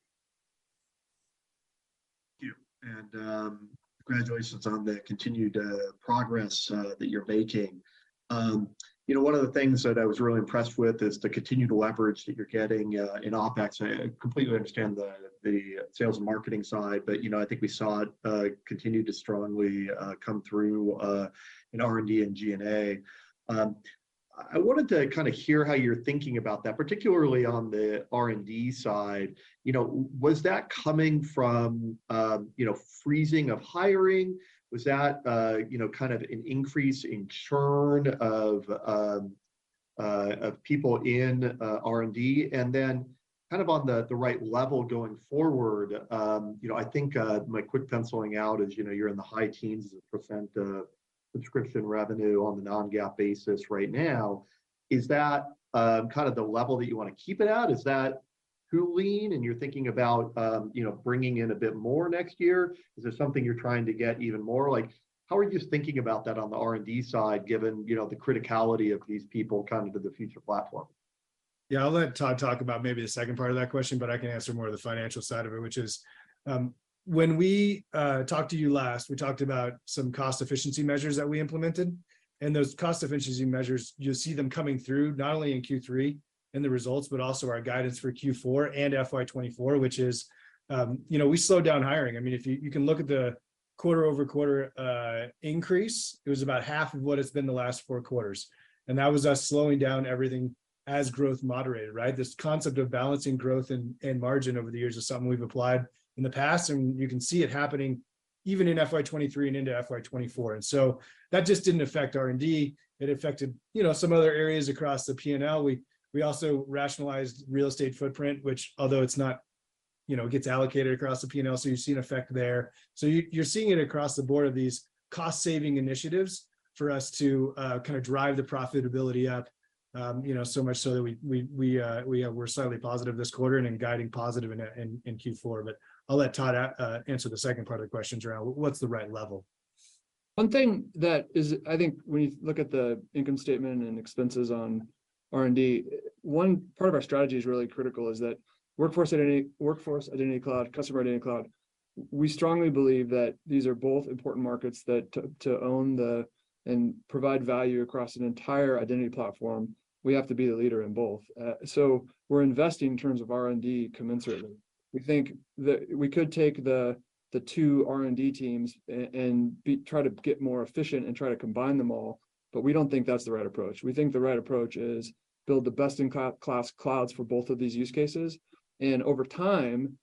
Thank you, and congratulations on the continued progress that you're making. You know, one of the things that I was really impressed with is the continued leverage that you're getting in OpEx. I completely understand the sales and marketing side, but, you know, I think we saw it continue to strongly come through in R&D and G&A. I wanted to kinda hear how you're thinking about that, particularly on the R&D side. You know, was that coming from, you know, freezing of hiring? Was that, you know, kind of an increase in churn of people in R&D? kind of on the right level going forward, you know, I think, my quick penciling out is, you know, you're in the high teens % of subscription revenue on the non-GAAP basis right now. Is that kind of the level that you wanna keep it at? Is that too lean and you're thinking about, you know, bringing in a bit more next year? Is there something you're trying to get even more? Like, how are you thinking about that on the R&D side, given, you know, the criticality of these people kind of to the future platform? Yeah. I'll let Todd talk about maybe the second part of that question, but I can answer more of the financial side of it, which is, when we talked to you last, we talked about some cost efficiency measures that we implemented. Those cost efficiency measures, you'll see them coming through, not only in Q3 in the results, but also our guidance for Q4 and FY 2024, which is, you know, we slowed down hiring. I mean, you can look at the quarter-over-quarter increase. It was about half of what it's been the last four quarters, that was us slowing down everything as growth moderated, right? This concept of balancing growth and margin over the years is something we've applied in the past. You can see it happening even in FY 2023 and into FY 2024. That just didn't affect R&D. It affected, you know, some other areas across the P&L. We also rationalized real estate footprint, which although it's not, you know, gets allocated across the P&L, so you see an effect there. You're seeing it across the board of these cost-saving initiatives for us to kind of drive the profitability up, you know, so much so that we're slightly positive this quarter and guiding positive in Q4. I'll let Todd answer the second part of the question around what's the right level. One thing that is, I think when you look at the income statement and expenses on R&D, one part of our strategy is really critical is that Workforce Identity, Workforce Identity Cloud, Customer Identity Cloud, we strongly believe that these are both important markets that to own the, and provide value across an entire identity platform, we have to be the leader in both. We're investing in terms of R&D commensurately. We think that we could take the two R&D teams and try to get more efficient and try to combine them all. We don't think that's the right approach. We think the right approach is build the best-in-class clouds for both of these use cases. Over time,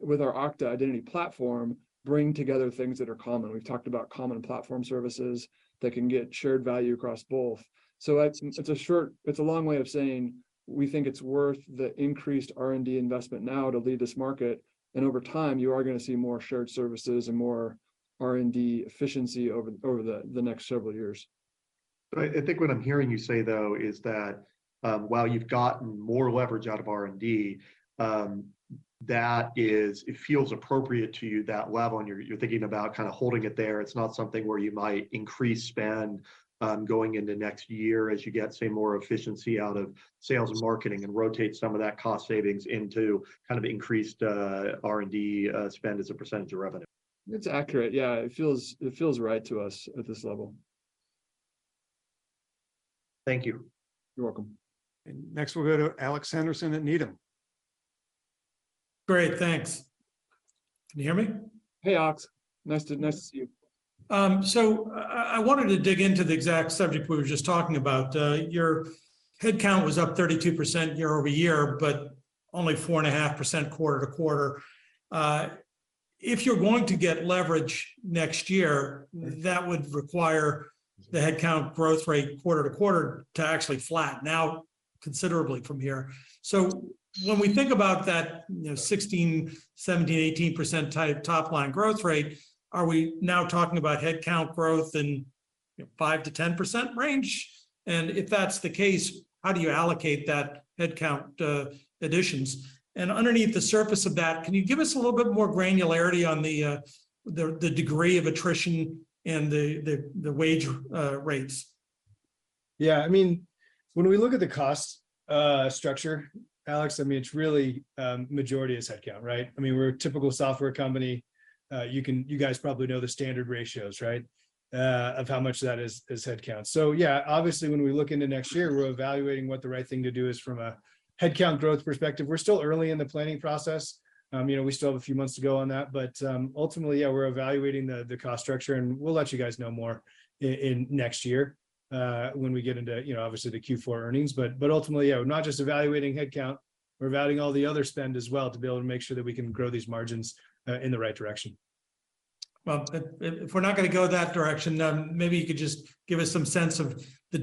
with our Okta Identity Platform, bring together things that are common. We've talked about common platform services that can get shared value across both. It's a long way of saying we think it's worth the increased R&D investment now to lead this market, and over time you are gonna see more shared services and more R&D efficiency over the next several years. I think what I'm hearing you say though is that, while you've gotten more leverage out of R&D, that is, it feels appropriate to you, that level, and you're thinking about kind of holding it there. It's not something where you might increase spend, going into next year as you get, say, more efficiency out of sales and marketing and rotate some of that cost savings into kind of increased R&D spend as a percentage of revenue. That's accurate. Yeah. It feels right to us at this level. Thank you. You're welcome. Next we'll go to Alex Henderson at Needham. Great. Thanks. Can you hear me? Hey, Alex. Nice to see you. I wanted to dig into the exact subject we were just talking about. Your headcount was up 32% year-over-year, but only 4.5% quarter-to-quarter. If you're going to get leverage next year, that would require the headcount growth rate quarter-to-quarter to actually flat now considerably from here. When we think about that, you know, 16%, 17%, 18% type top-line growth rate, are we now talking about headcount growth in, you know, 5%-10% range? If that's the case, how do you allocate that headcount additions? Underneath the surface of that, can you give us a little bit more granularity on the, the degree of attrition and the, the wage rates? Yeah. I mean, when we look at the cost structure, Alex, I mean, it's really majority is headcount, right? I mean, we're a typical software company. You guys probably know the standard ratios, right, of how much that is headcount. Yeah, obviously when we look into next year, we're evaluating what the right thing to do is from a headcount growth perspective. We're still early in the planning process. You know, we still have a few months to go on that, ultimately, yeah, we're evaluating the cost structure, and we'll let you guys know more in next year, when we get into, you know, obviously the Q4 earnings. Ultimately, yeah, we're not just evaluating headcount, we're evaluating all the other spend as well to be able to make sure that we can grow these margins in the right direction. If we're not gonna go that direction, maybe you could just give us some sense of the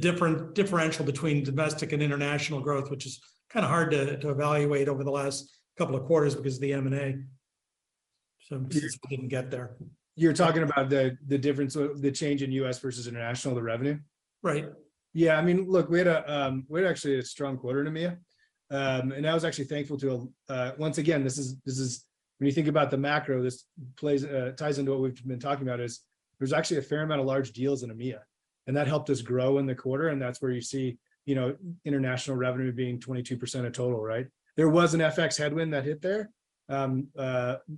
differential between domestic and international growth, which is kind of hard to evaluate over the last couple of quarters because of the M&A. I'm curious if we can get there. You're talking about the difference of the change in U.S. versus international, the revenue? Right. Yeah. I mean, look, we had actually a strong quarter in EMEA. I was actually thankful to once again. This is when you think about the macro, this plays, ties into what we've been talking about, is there's actually a fair amount of large deals in EMEA. That helped us grow in the quarter, and that's where you see, you know, international revenue being 22% of total, right? There was an FX headwind that hit there.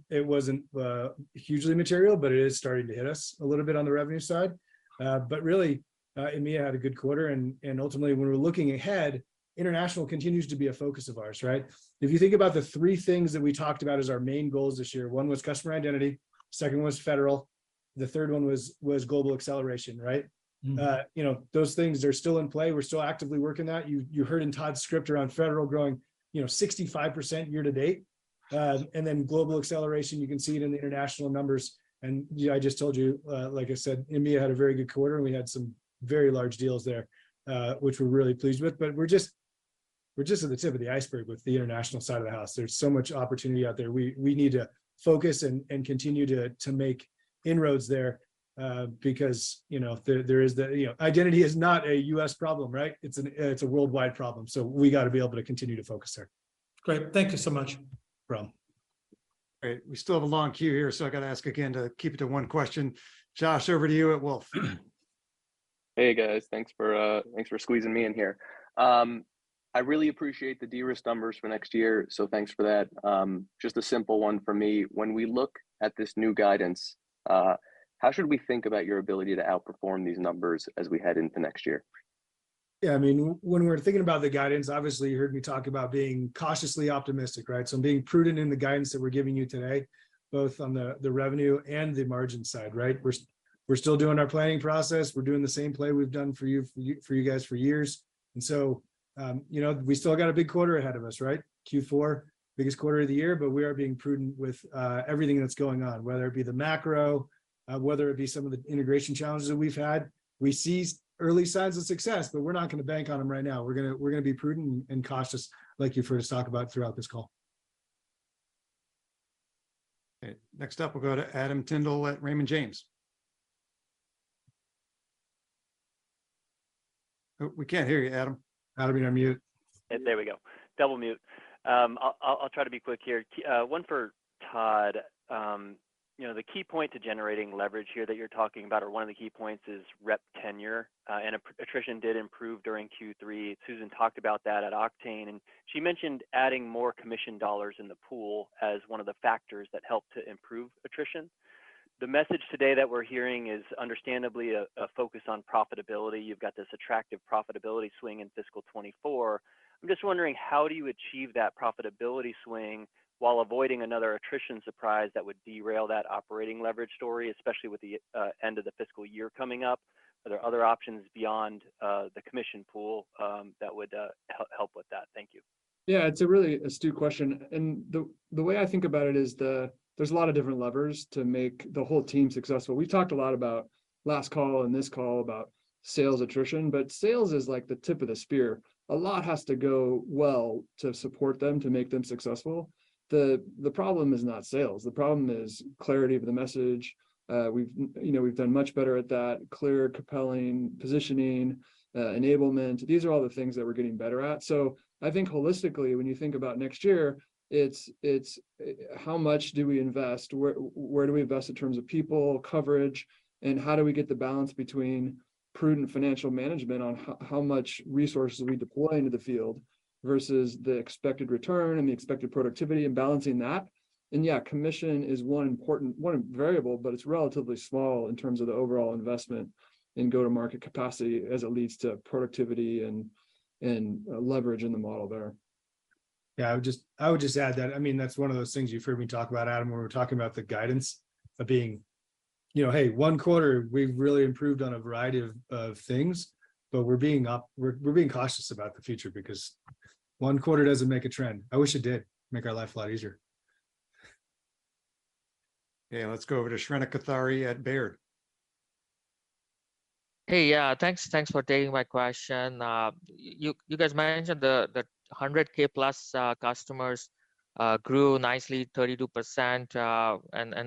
It wasn't hugely material, but it is starting to hit us a little bit on the revenue side. Really, EMEA had a good quarter. Ultimately when we're looking ahead, international continues to be a focus of ours, right? If you think about the three things that we talked about as our main goals this year, one was customer identity, second was federal, the third one was global acceleration, right? Mm. You know, those things are still in play. We're still actively working that. You heard in Todd's script around federal growing, you know, 65% year to date. Then global acceleration, you can see it in the international numbers. Yeah, I just told you, like I said, EMEA had a very good quarter, and we had some very large deals there, which we're really pleased with. We're just at the tip of the iceberg with the international side of the house. There's so much opportunity out there. We need to focus and continue to make inroads there, because, you know, identity is not a U.S. problem, right? It's a worldwide problem. We gotta be able to continue to focus there. Great. Thank you so much. No problem. All right. We still have a long queue here. I gotta ask again to keep it to one question. Josh, over to you at Wolfe. Hey, guys. Thanks for, thanks for squeezing me in here. I really appreciate the de-risk numbers for next year, so thanks for that. Just a simple one from me. When we look at this new guidance, how should we think about your ability to outperform these numbers as we head into next year? Yeah, I mean, when we're thinking about the guidance, obviously you heard me talk about being cautiously optimistic, right? I'm being prudent in the guidance that we're giving you today, both on the revenue and the margin side, right? We're still doing our planning process. We're doing the same play we've done for you guys for years. you know, we still got a big quarter ahead of us, right? Q4, biggest quarter of the year, we are being prudent with everything that's going on, whether it be the macro, whether it be some of the integration challenges that we've had. We see early signs of success, we're not gonna bank on them right now. We're gonna be prudent and cautious, like you've heard us talk about throughout this call. Okay. Next up, we'll go to Adam Tindle at Raymond James. Oh, we can't hear you, Adam. Adam, you're on mute. There we go. Double mute. I'll try to be quick here. Key one for Todd. You know, the key point to generating leverage here that you're talking about, or one of the key points is rep tenure, and attrition did improve during Q3. Susan talked about that at Oktane, and she mentioned adding more commission dollars in the pool as one of the factors that helped to improve attrition. The message today that we're hearing is understandably a focus on profitability. You've got this attractive profitability swing in fiscal 2024. I'm just wondering how do you achieve that profitability swing while avoiding another attrition surprise that would derail that operating leverage story, especially with the end of the fiscal year coming up. Are there other options beyond the commission pool that would help with that? Thank you. It's a really astute question, and the way I think about it is there's a lot of different levers to make the whole team successful. We've talked a lot about last call and this call about sales attrition. Sales is like the tip of the spear. A lot has to go well to support them to make them successful. The problem is not sales. The problem is clarity of the message. We've, you know, we've done much better at that. Clear, compelling positioning, enablement. These are all the things that we're getting better at. I think holistically, when you think about next year, it's how much do we invest, where do we invest in terms of people, coverage, and how do we get the balance between prudent financial management on how much resources we deploy into the field versus the expected return and the expected productivity and balancing that. Yeah, commission is one important variable, but it's relatively small in terms of the overall investment in go-to-market capacity as it leads to productivity and leverage in the model there. Yeah, I would just add that, I mean, that's one of those things you've heard me talk about, Adam, when we're talking about the guidance. You know, hey, one quarter we've really improved on a variety of things, but we're being cautious about the future because one quarter doesn't make a trend. I wish it did. Make our life a lot easier. Okay, let's go over to Shrenik Kothari at Baird. Hey. Yeah. Thanks, thanks for taking my question. You guys mentioned the 100,000+ customers grew nicely 32%.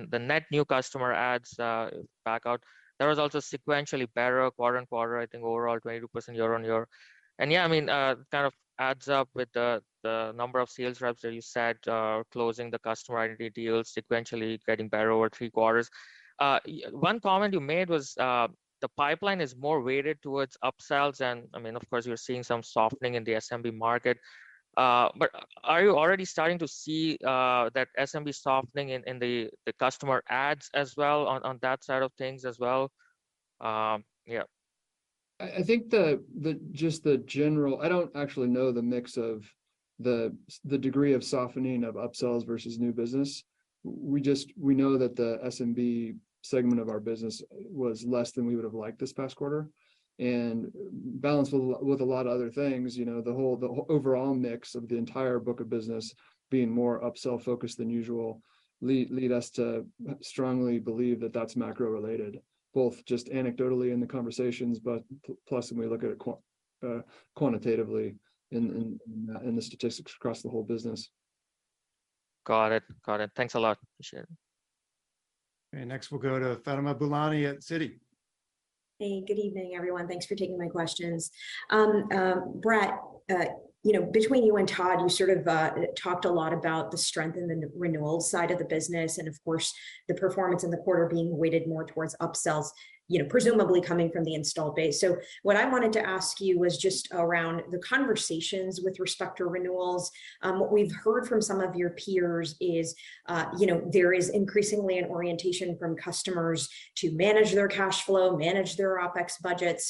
The net new customer adds back out. There was also sequentially better quarter-on-quarter, I think overall 22% year-on-year. Yeah, I mean, kind of adds up with the number of sales reps that you said are closing the Customer Identity deals sequentially getting better over three quarters. One comment you made was the pipeline is more weighted towards upsells and, I mean, of course you're seeing some softening in the SMB market. Are you already starting to see that SMB softening in the customer adds as well on that side of things as well? Yeah. I think I don't actually know the mix of the degree of softening of upsells versus new business. We just, we know that the SMB segment of our business was less than we would've liked this past quarter. Balanced with a lot of other things, you know, the whole, the overall mix of the entire book of business being more upsell focused than usual lead us to strongly believe that that's macro-related, both just anecdotally in the conversations, but plus when we look at it quantitatively in the statistics across the whole business. Got it. Got it. Thanks a lot. Appreciate it. Okay, next we'll go to Fatima Boolani at Citi. Hey. Good evening, everyone. Thanks for taking my questions. Brett, you know, between you and Todd, you sort of talked a lot about the strength in the renewal side of the business and, of course, the performance in the quarter being weighted more towards upsells, you know, presumably coming from the installed base. What I wanted to ask you was just around the conversations with respect to renewals. What we've heard from some of your peers is, you know, there is increasingly an orientation from customers to manage their cash flow, manage their OpEx budget.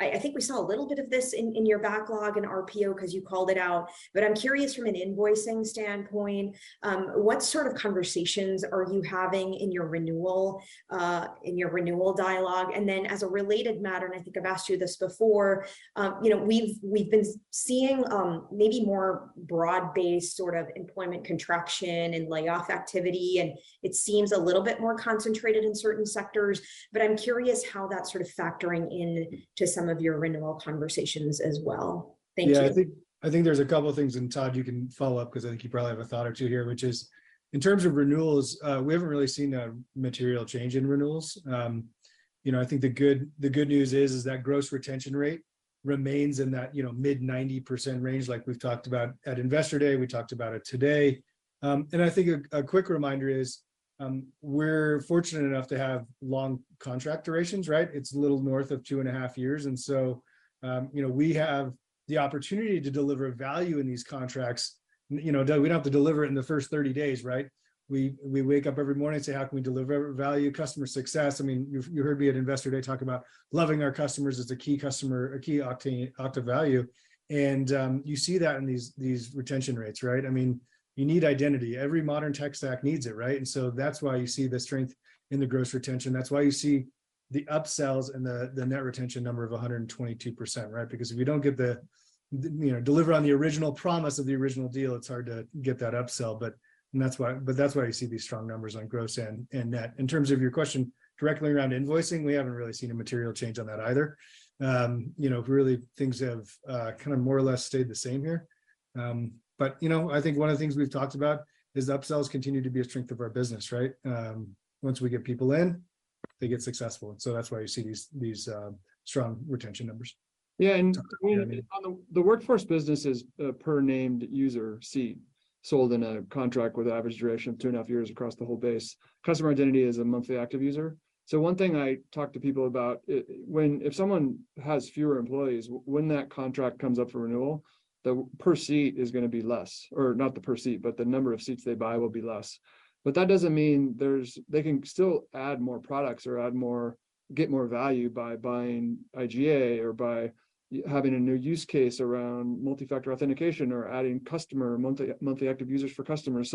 I think we saw a little bit of this in your backlog and RPO, 'cause you called it out. But I'm curious from an invoicing standpoint, what sort of conversations are you having in your renewal dialogue? As a related matter, and I think I've asked you this before, you know, we've been seeing, maybe more broad-based sort of employment contraction and layoff activity, and it seems a little bit more concentrated in certain sectors. I'm curious how that's sort of factoring into some of your renewal conversations as well. Thank you. Yeah, I think there's a couple things, and Todd you can follow up 'cause I think you probably have a thought or two here, which is in terms of renewals, we haven't really seen a material change in renewals. You know, I think the good news is that gross retention rate remains in that, you know, mid-90% range like we've talked about at Investor Day, we talked about it today. I think a quick reminder is, we're fortunate enough to have long contract durations, right? It's a little north of two and a half years. You know, we have the opportunity to deliver value in these contracts. You know, though we don't have to deliver it in the first 30 days, right? We wake up every morning and say, "How can we deliver value, customer success?" I mean, you heard me at Investor Day talk about loving our customers is the key customer or key Oktane Okta value, and you see that in these retention rates, right? I mean, you need identity. Every modern tech stack needs it, right? So that's why you see the strength in the gross retention. That's why you see the upsells and the net retention number of 122%, right? Because if you don't get the, you know, deliver on the original promise of the original deal, it's hard to get that upsell. And that's why you see these strong numbers on gross and net. In terms of your question directly around invoicing, we haven't really seen a material change on that either. You know, really things have kind of more or less stayed the same here. You know, I think one of the things we've talked about is upsells continue to be a strength of our business, right? Once we get people in, they get successful, that's why you see these strong retention numbers. Yeah. Go ahead, I mean... on the Workforce business is per named user seat sold in a contract with an average duration of 2.5 years across the whole base. Customer Identity is a monthly active user. One thing I talk to people about, it, when if someone has fewer employees, when that contract comes up for renewal, the per seat is gonna be less. Not the per seat, but the number of seats they buy will be less. That doesn't mean there's. They can still add more products or add more, get more value by buying IGA or by having a new use case around multi-factor authentication or adding customer monthly active users for customers.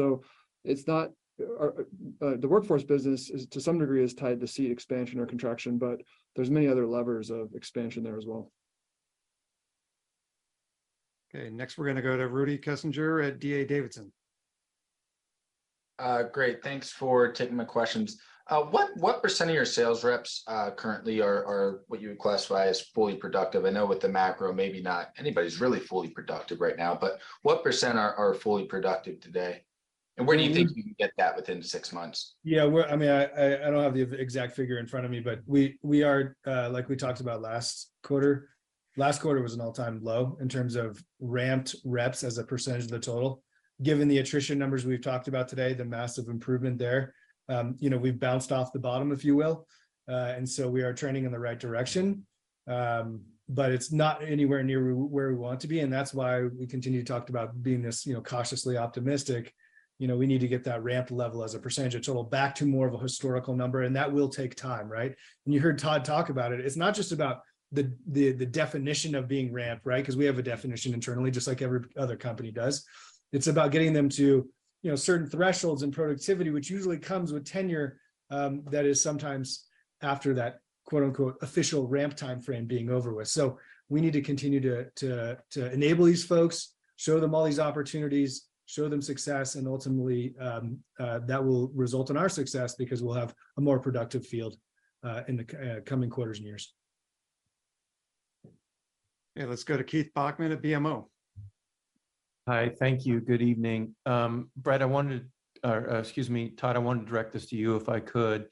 It's not the Workforce business is to some degree is tied to seat expansion or contraction, but there's many other levers of expansion there as well. Okay, next we're gonna go to Rudy Kessinger at D.A. Davidson. Great. Thanks for taking my questions. What % of your sales reps currently are what you would classify as fully productive? I know with the macro, maybe not anybody's really fully productive right now, but what % are fully productive today? Where do you think you can get that within six months? Yeah. We're, I mean, I don't have the exact figure in front of me, but we are like we talked about last quarter, last quarter was an all-time low in terms of ramped reps as a percentage of the total. Given the attrition numbers we've talked about today, the massive improvement there, you know, we've bounced off the bottom, if you will. We are trending in the right direction, but it's not anywhere near where we want to be, and that's why we continue to talk about being this, you know, cautiously optimistic. You know, we need to get that ramp level as a percentage of total back to more of a historical number, that will take time, right? You heard Todd talk about it. It's not just about the definition of being ramped, right? We have a definition internally, just like every other company does. It's about getting them to, you know, certain thresholds and productivity, which usually comes with tenure, that is sometimes after that quote unquote "official ramp timeframe" being over with. We need to continue to enable these folks, show them all these opportunities, show them success, and ultimately, that will result in our success because we'll have a more productive field, in the coming quarters and years. Okay, let's go to Keith Bachman at BMO. Hi. Thank you. Good evening. Brett, I wanted to. Or, excuse me, Todd, I want to direct this to you if I could.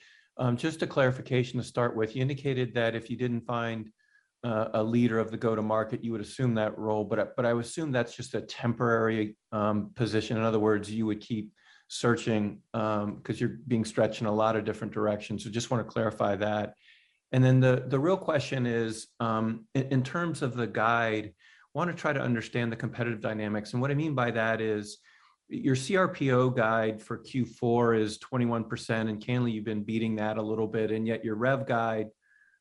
Just a clarification to start with. You indicated that if you didn't find a leader of the go-to-market, you would assume that role. I assume that's just a temporary position. In other words, you would keep searching, 'cause you're being stretched in a lot of different directions. Just wanna clarify that. Then the real question is, in terms of the guide, wanna try to understand the competitive dynamics. What I mean by that is, your CRPO guide for Q4 is 21%, and candidly, you've been beating that a little bit, and yet your rev guide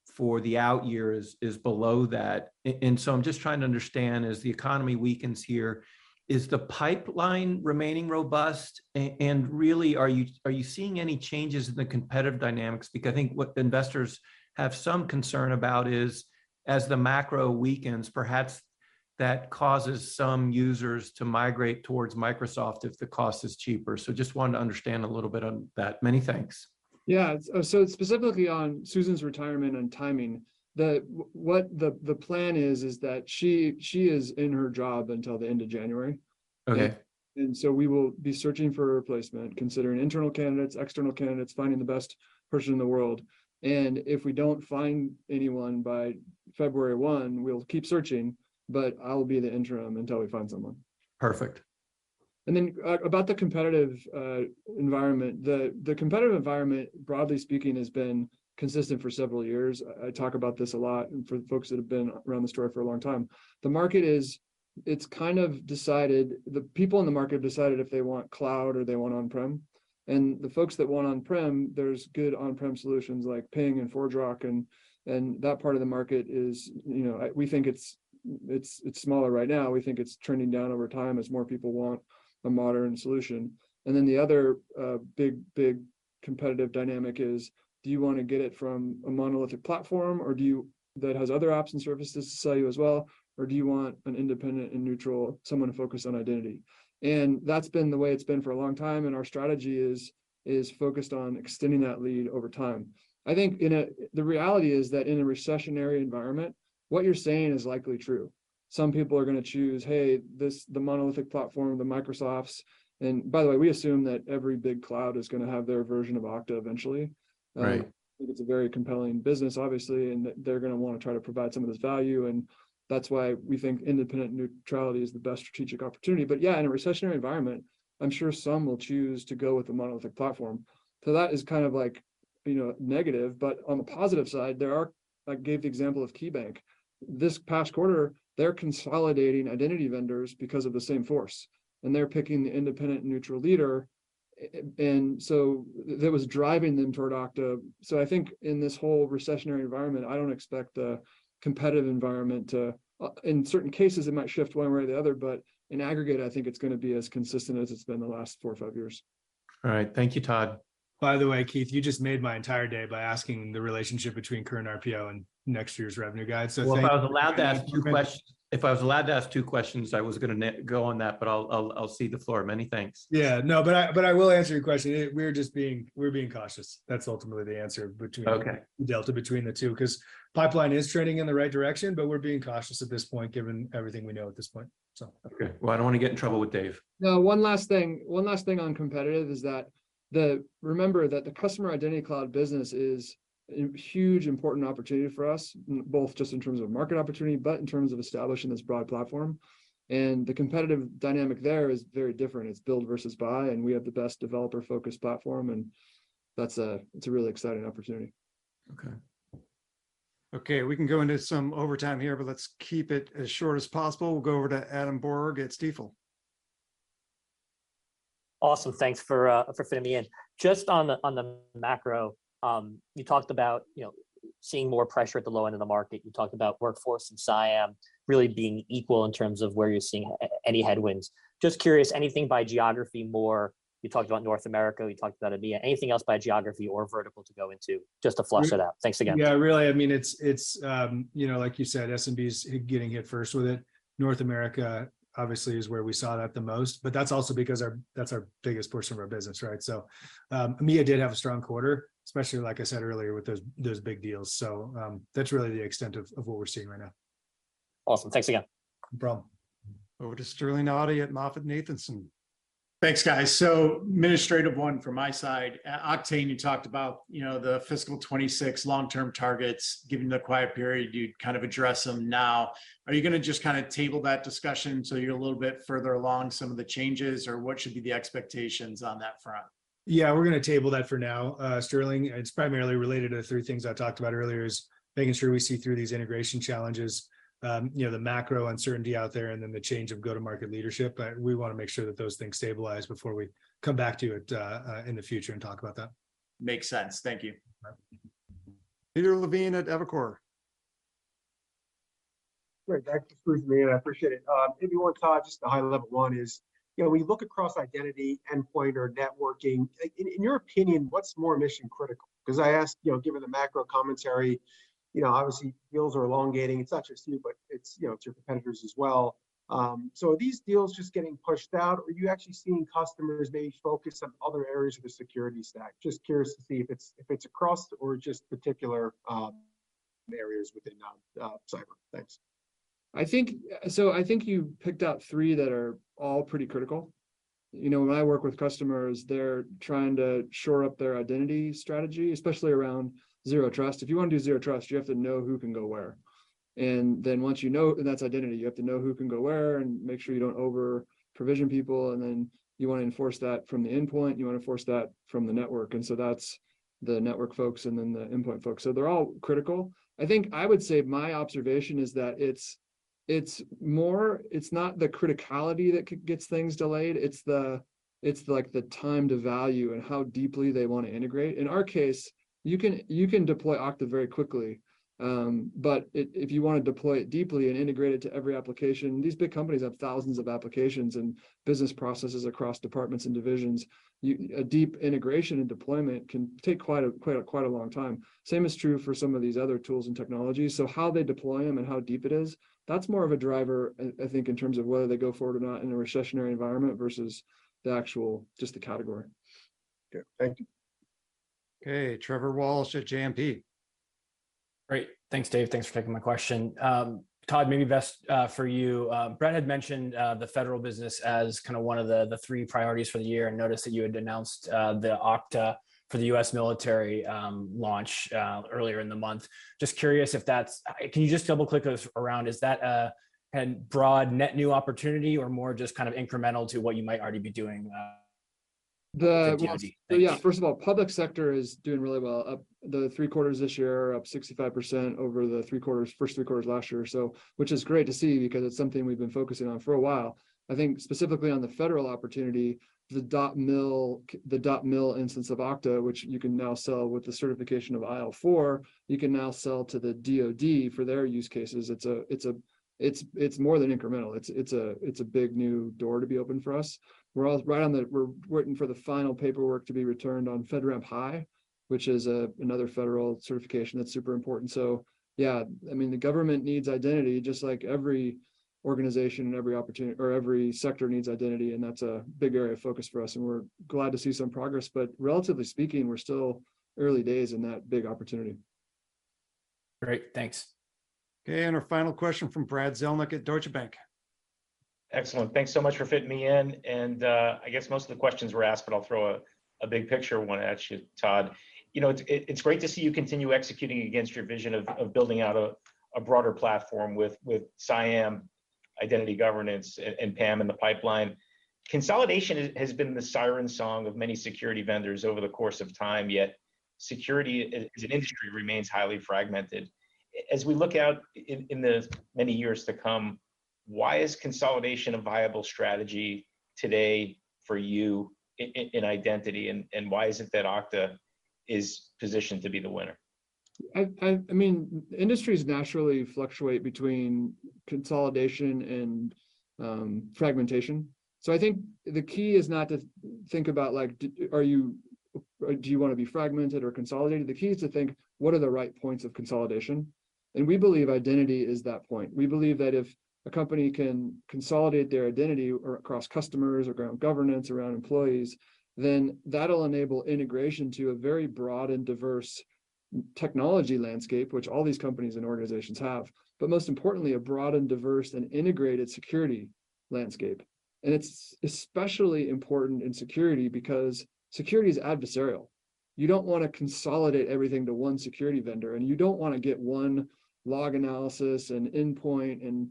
for the out years is below that. I'm just trying to understand, as the economy weakens here, is the pipeline remaining robust? really are you seeing any changes in the competitive dynamics? I think what the investors have some concern about is, as the macro weakens, perhaps that causes some users to migrate towards Microsoft if the cost is cheaper. just wanted to understand a little bit on that. Many thanks. Yeah. Specifically on Susan's retirement and timing, the plan is that she is in her job until the end of January. Okay. We will be searching for a replacement, considering internal candidates, external candidates, finding the best person in the world. If we don't find anyone by February 1, we'll keep searching, but I'll be the interim until we find someone. Perfect. About the competitive environment. The competitive environment, broadly speaking, has been consistent for several years. I talk about this a lot, and for the folks that have been around the story for a long time, the market is kind of decided... The people in the market have decided if they want cloud or they want on-prem. The folks that want on-prem, there's good on-prem solutions like Ping and ForgeRock, and that part of the market is, you know... We think it's smaller right now. We think it's trending down over time as more people want a modern solution. The other big competitive dynamic is, do you wanna get it from a monolithic platform or do you... that has other apps and services to sell you as well, or do you want an independent and neutral, someone focused on identity? That's been the way it's been for a long time, and our strategy is focused on extending that lead over time. I think. The reality is that in a recessionary environment, what you're saying is likely true. Some people are gonna choose, "Hey, this, the monolithic platform, the Microsoft's." By the way, we assume that every big cloud is gonna have their version of Okta eventually. Right. I think it's a very compelling business, obviously, and they're gonna wanna try to provide some of this value, and that's why we think independent neutrality is the best strategic opportunity. Yeah, in a recessionary environment, I'm sure some will choose to go with the monolithic platform. That is kind of like, you know, negative. On the positive side, there are, I gave the example of KeyBank. This past quarter, they're consolidating identity vendors because of the same force, and they're picking the independent neutral leader. That was driving them toward Okta. I think in this whole recessionary environment, I don't expect a competitive environment to... In certain cases, it might shift one way or the other, but in aggregate, I think it's gonna be as consistent as it's been the last four or five years. All right. Thank you, Todd. Keith, you just made my entire day by asking the relationship between Current RPO and next year's revenue guide. Thank you. Well, if I was allowed to ask two questions, I was gonna go on that, but I'll cede the floor. Many thanks. Yeah. No. I, but I will answer your question. We're just being cautious. That's ultimately the answer. Okay... the delta between the two. 'Cause pipeline is trending in the right direction, but we're being cautious at this point, given everything we know at this point. Okay. Well, I don't want to get in trouble with Dave. No, one last thing. One last thing on competitive is that. Remember that the Customer Identity Cloud business is a huge important opportunity for us, both just in terms of market opportunity, but in terms of establishing this broad platform. The competitive dynamic there is very different. It's build versus buy, and we have the best developer-focused platform, and that's a, it's a really exciting opportunity. Okay. Okay. We can go into some overtime here, but let's keep it as short as possible. We'll go over to Adam Borg at Stifel. Awesome. Thanks for for fitting me in. Just on the, on the macro, you talked about, you know, seeing more pressure at the low end of the market. You talked about workforce and CIAM really being equal in terms of where you're seeing any headwinds. Just curious, anything by geography more? You talked about North America, you talked about EMEA. Anything else by geography or vertical to go into, just to flush it out? Thanks again. Yeah, really, I mean, it's, you know, like you said, SMBs getting hit first with it. North America obviously is where we saw that the most, but that's also because that's our biggest portion of our business, right? EMEA did have a strong quarter, especially like I said earlier with those big deals. That's really the extent of what we're seeing right now. Awesome. Thanks again. No problem. Over to Sterling Auty at MoffettNathanson. Thanks, guys. Administrative one from my side. At Oktane, you talked about, you know, the fiscal 2026 long-term targets. Given the quiet period, you'd kind of address them now. Are you gonna just kinda table that discussion till you're a little bit further along some of the changes, or what should be the expectations on that front? Yeah, we're gonna table that for now, Sterling. It's primarily related to the three things I talked about earlier, is making sure we see through these integration challenges, you know, the macro uncertainty out there, and then the change of go-to-market leadership. We wanna make sure that those things stabilize before we come back to it in the future and talk about that. Makes sense. Thank you. All right. Peter Levine at Evercore. Great. That just proves me, and I appreciate it. Maybe one thought, just a high level one is, you know, when you look across identity, endpoint or networking, in your opinion, what's more mission-critical? 'Cause I asked, you know, given the macro commentary, you know, obviously deals are elongating. It's not just you, but it's, you know, it's your competitors as well. Are these deals just getting pushed out, or are you actually seeing customers may focus on other areas of the security stack? Just curious to see if it's, if it's across or just particular areas within cyber. Thanks. I think you picked out three that are all pretty critical. You know, when I work with customers, they're trying to shore up their identity strategy, especially around Zero Trust. If you wanna do Zero Trust, you have to know who can go where. Once you know. That's identity. You have to know who can go where and make sure you don't over-provision people, and then you wanna enforce that from the endpoint, you wanna enforce that from the network. That's the network folks and then the endpoint folks. They're all critical. I think I would say my observation is that it's more, it's not the criticality that gets things delayed, it's like the time to value and how deeply they wanna integrate. In our case, you can deploy Okta very quickly, but if you wanna deploy it deeply and integrate it to every application, these big companies have thousands of applications and business processes across departments and divisions. A deep integration and deployment can take quite a long time. Same is true for some of these other tools and technologies. How they deploy them and how deep it is, that's more of a driver I think in terms of whether they go forward or not in a recessionary environment versus the actual just the category. Okay. Thank you. Okay. Trevor Walsh at JMP. Great. Thanks, Dave. Thanks for taking my question. Todd, maybe best for you, Brett had mentioned the federal business as kinda one of the three priorities for the year, and noticed that you had announced the Okta for the US Military, launch earlier in the month. Just curious if that's... can you just double-click us around, is that a, an broad net new opportunity or more just kind of incremental to what you might already be doing with identity? Thank you. Well, yeah, first of all, public sector is doing really well. Up the three quarters this year, up 65% over the three quarters, first three quarters last year. Which is great to see because it's something we've been focusing on for a while. I think specifically on the federal opportunity, the .mil instance of Okta, which you can now sell with the certification of IL4, you can now sell to the DoD for their use cases. It's more than incremental. It's a big new door to be open for us. We're waiting for the final paperwork to be returned on FedRAMP High, which is another federal certification that's super important. Yeah. I mean, the government needs identity just like every organization and every sector needs identity, and that's a big area of focus for us, and we're glad to see some progress. Relatively speaking, we're still early days in that big opportunity. Great. Thanks. Okay. Our final question from Brad Zelnick at Deutsche Bank. Excellent. Thanks so much for fitting me in. I guess most of the questions were asked, but I'll throw a big picture one at you, Todd. You know, it's great to see you continue executing against your vision of building out a broader platform with CIAM identity governance and PAM in the pipeline. Consolidation has been the siren song of many security vendors over the course of time, yet security as an industry remains highly fragmented. As we look out in the many years to come, why is consolidation a viable strategy today for you in identity, and why is it that Okta is positioned to be the winner? I mean, industries naturally fluctuate between consolidation and fragmentation. I think the key is not to think about like, do you want to be fragmented or consolidated? The key is to think what are the right points of consolidation, and we believe identity is that point. We believe that if a company can consolidate their identity or across customers or around governance, around employees, then that'll enable integration to a very broad and diverse technology landscape which all these companies and organizations have. Most importantly, a broad and diverse and integrated security landscape. It's especially important in security because security is adversarial. You don't wanna consolidate everything to one security vendor, you don't wanna get one log analysis, and endpoint, and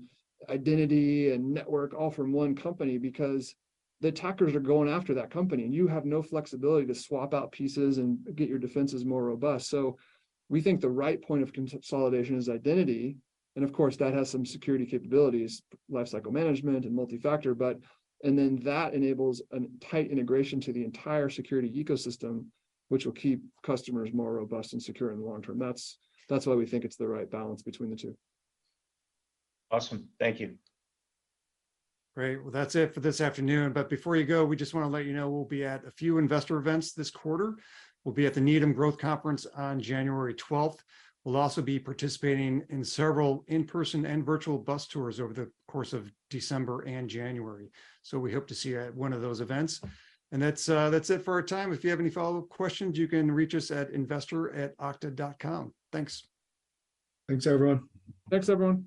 identity, and network all from one company, because the attackers are going after that company, and you have no flexibility to swap out pieces and get your defenses more robust. We think the right point of consolidation is identity, and of course, that has some security capabilities, lifecycle management and multi-factor. Then that enables an tight integration to the entire security ecosystem, which will keep customers more robust and secure in the long term. That's why we think it's the right balance between the two. Awesome. Thank you. Great. Well, that's it for this afternoon. Before you go, we just wanna let you know we'll be at a few investor events this quarter. We'll be at the Needham Growth Conference on January 12th. We'll also be participating in several in-person and virtual bus tours over the course of December and January. We hope to see you at one of those events. That's it for our time. If you have any follow-up questions, you can reach us at investor@okta.com. Thanks. Thanks, everyone.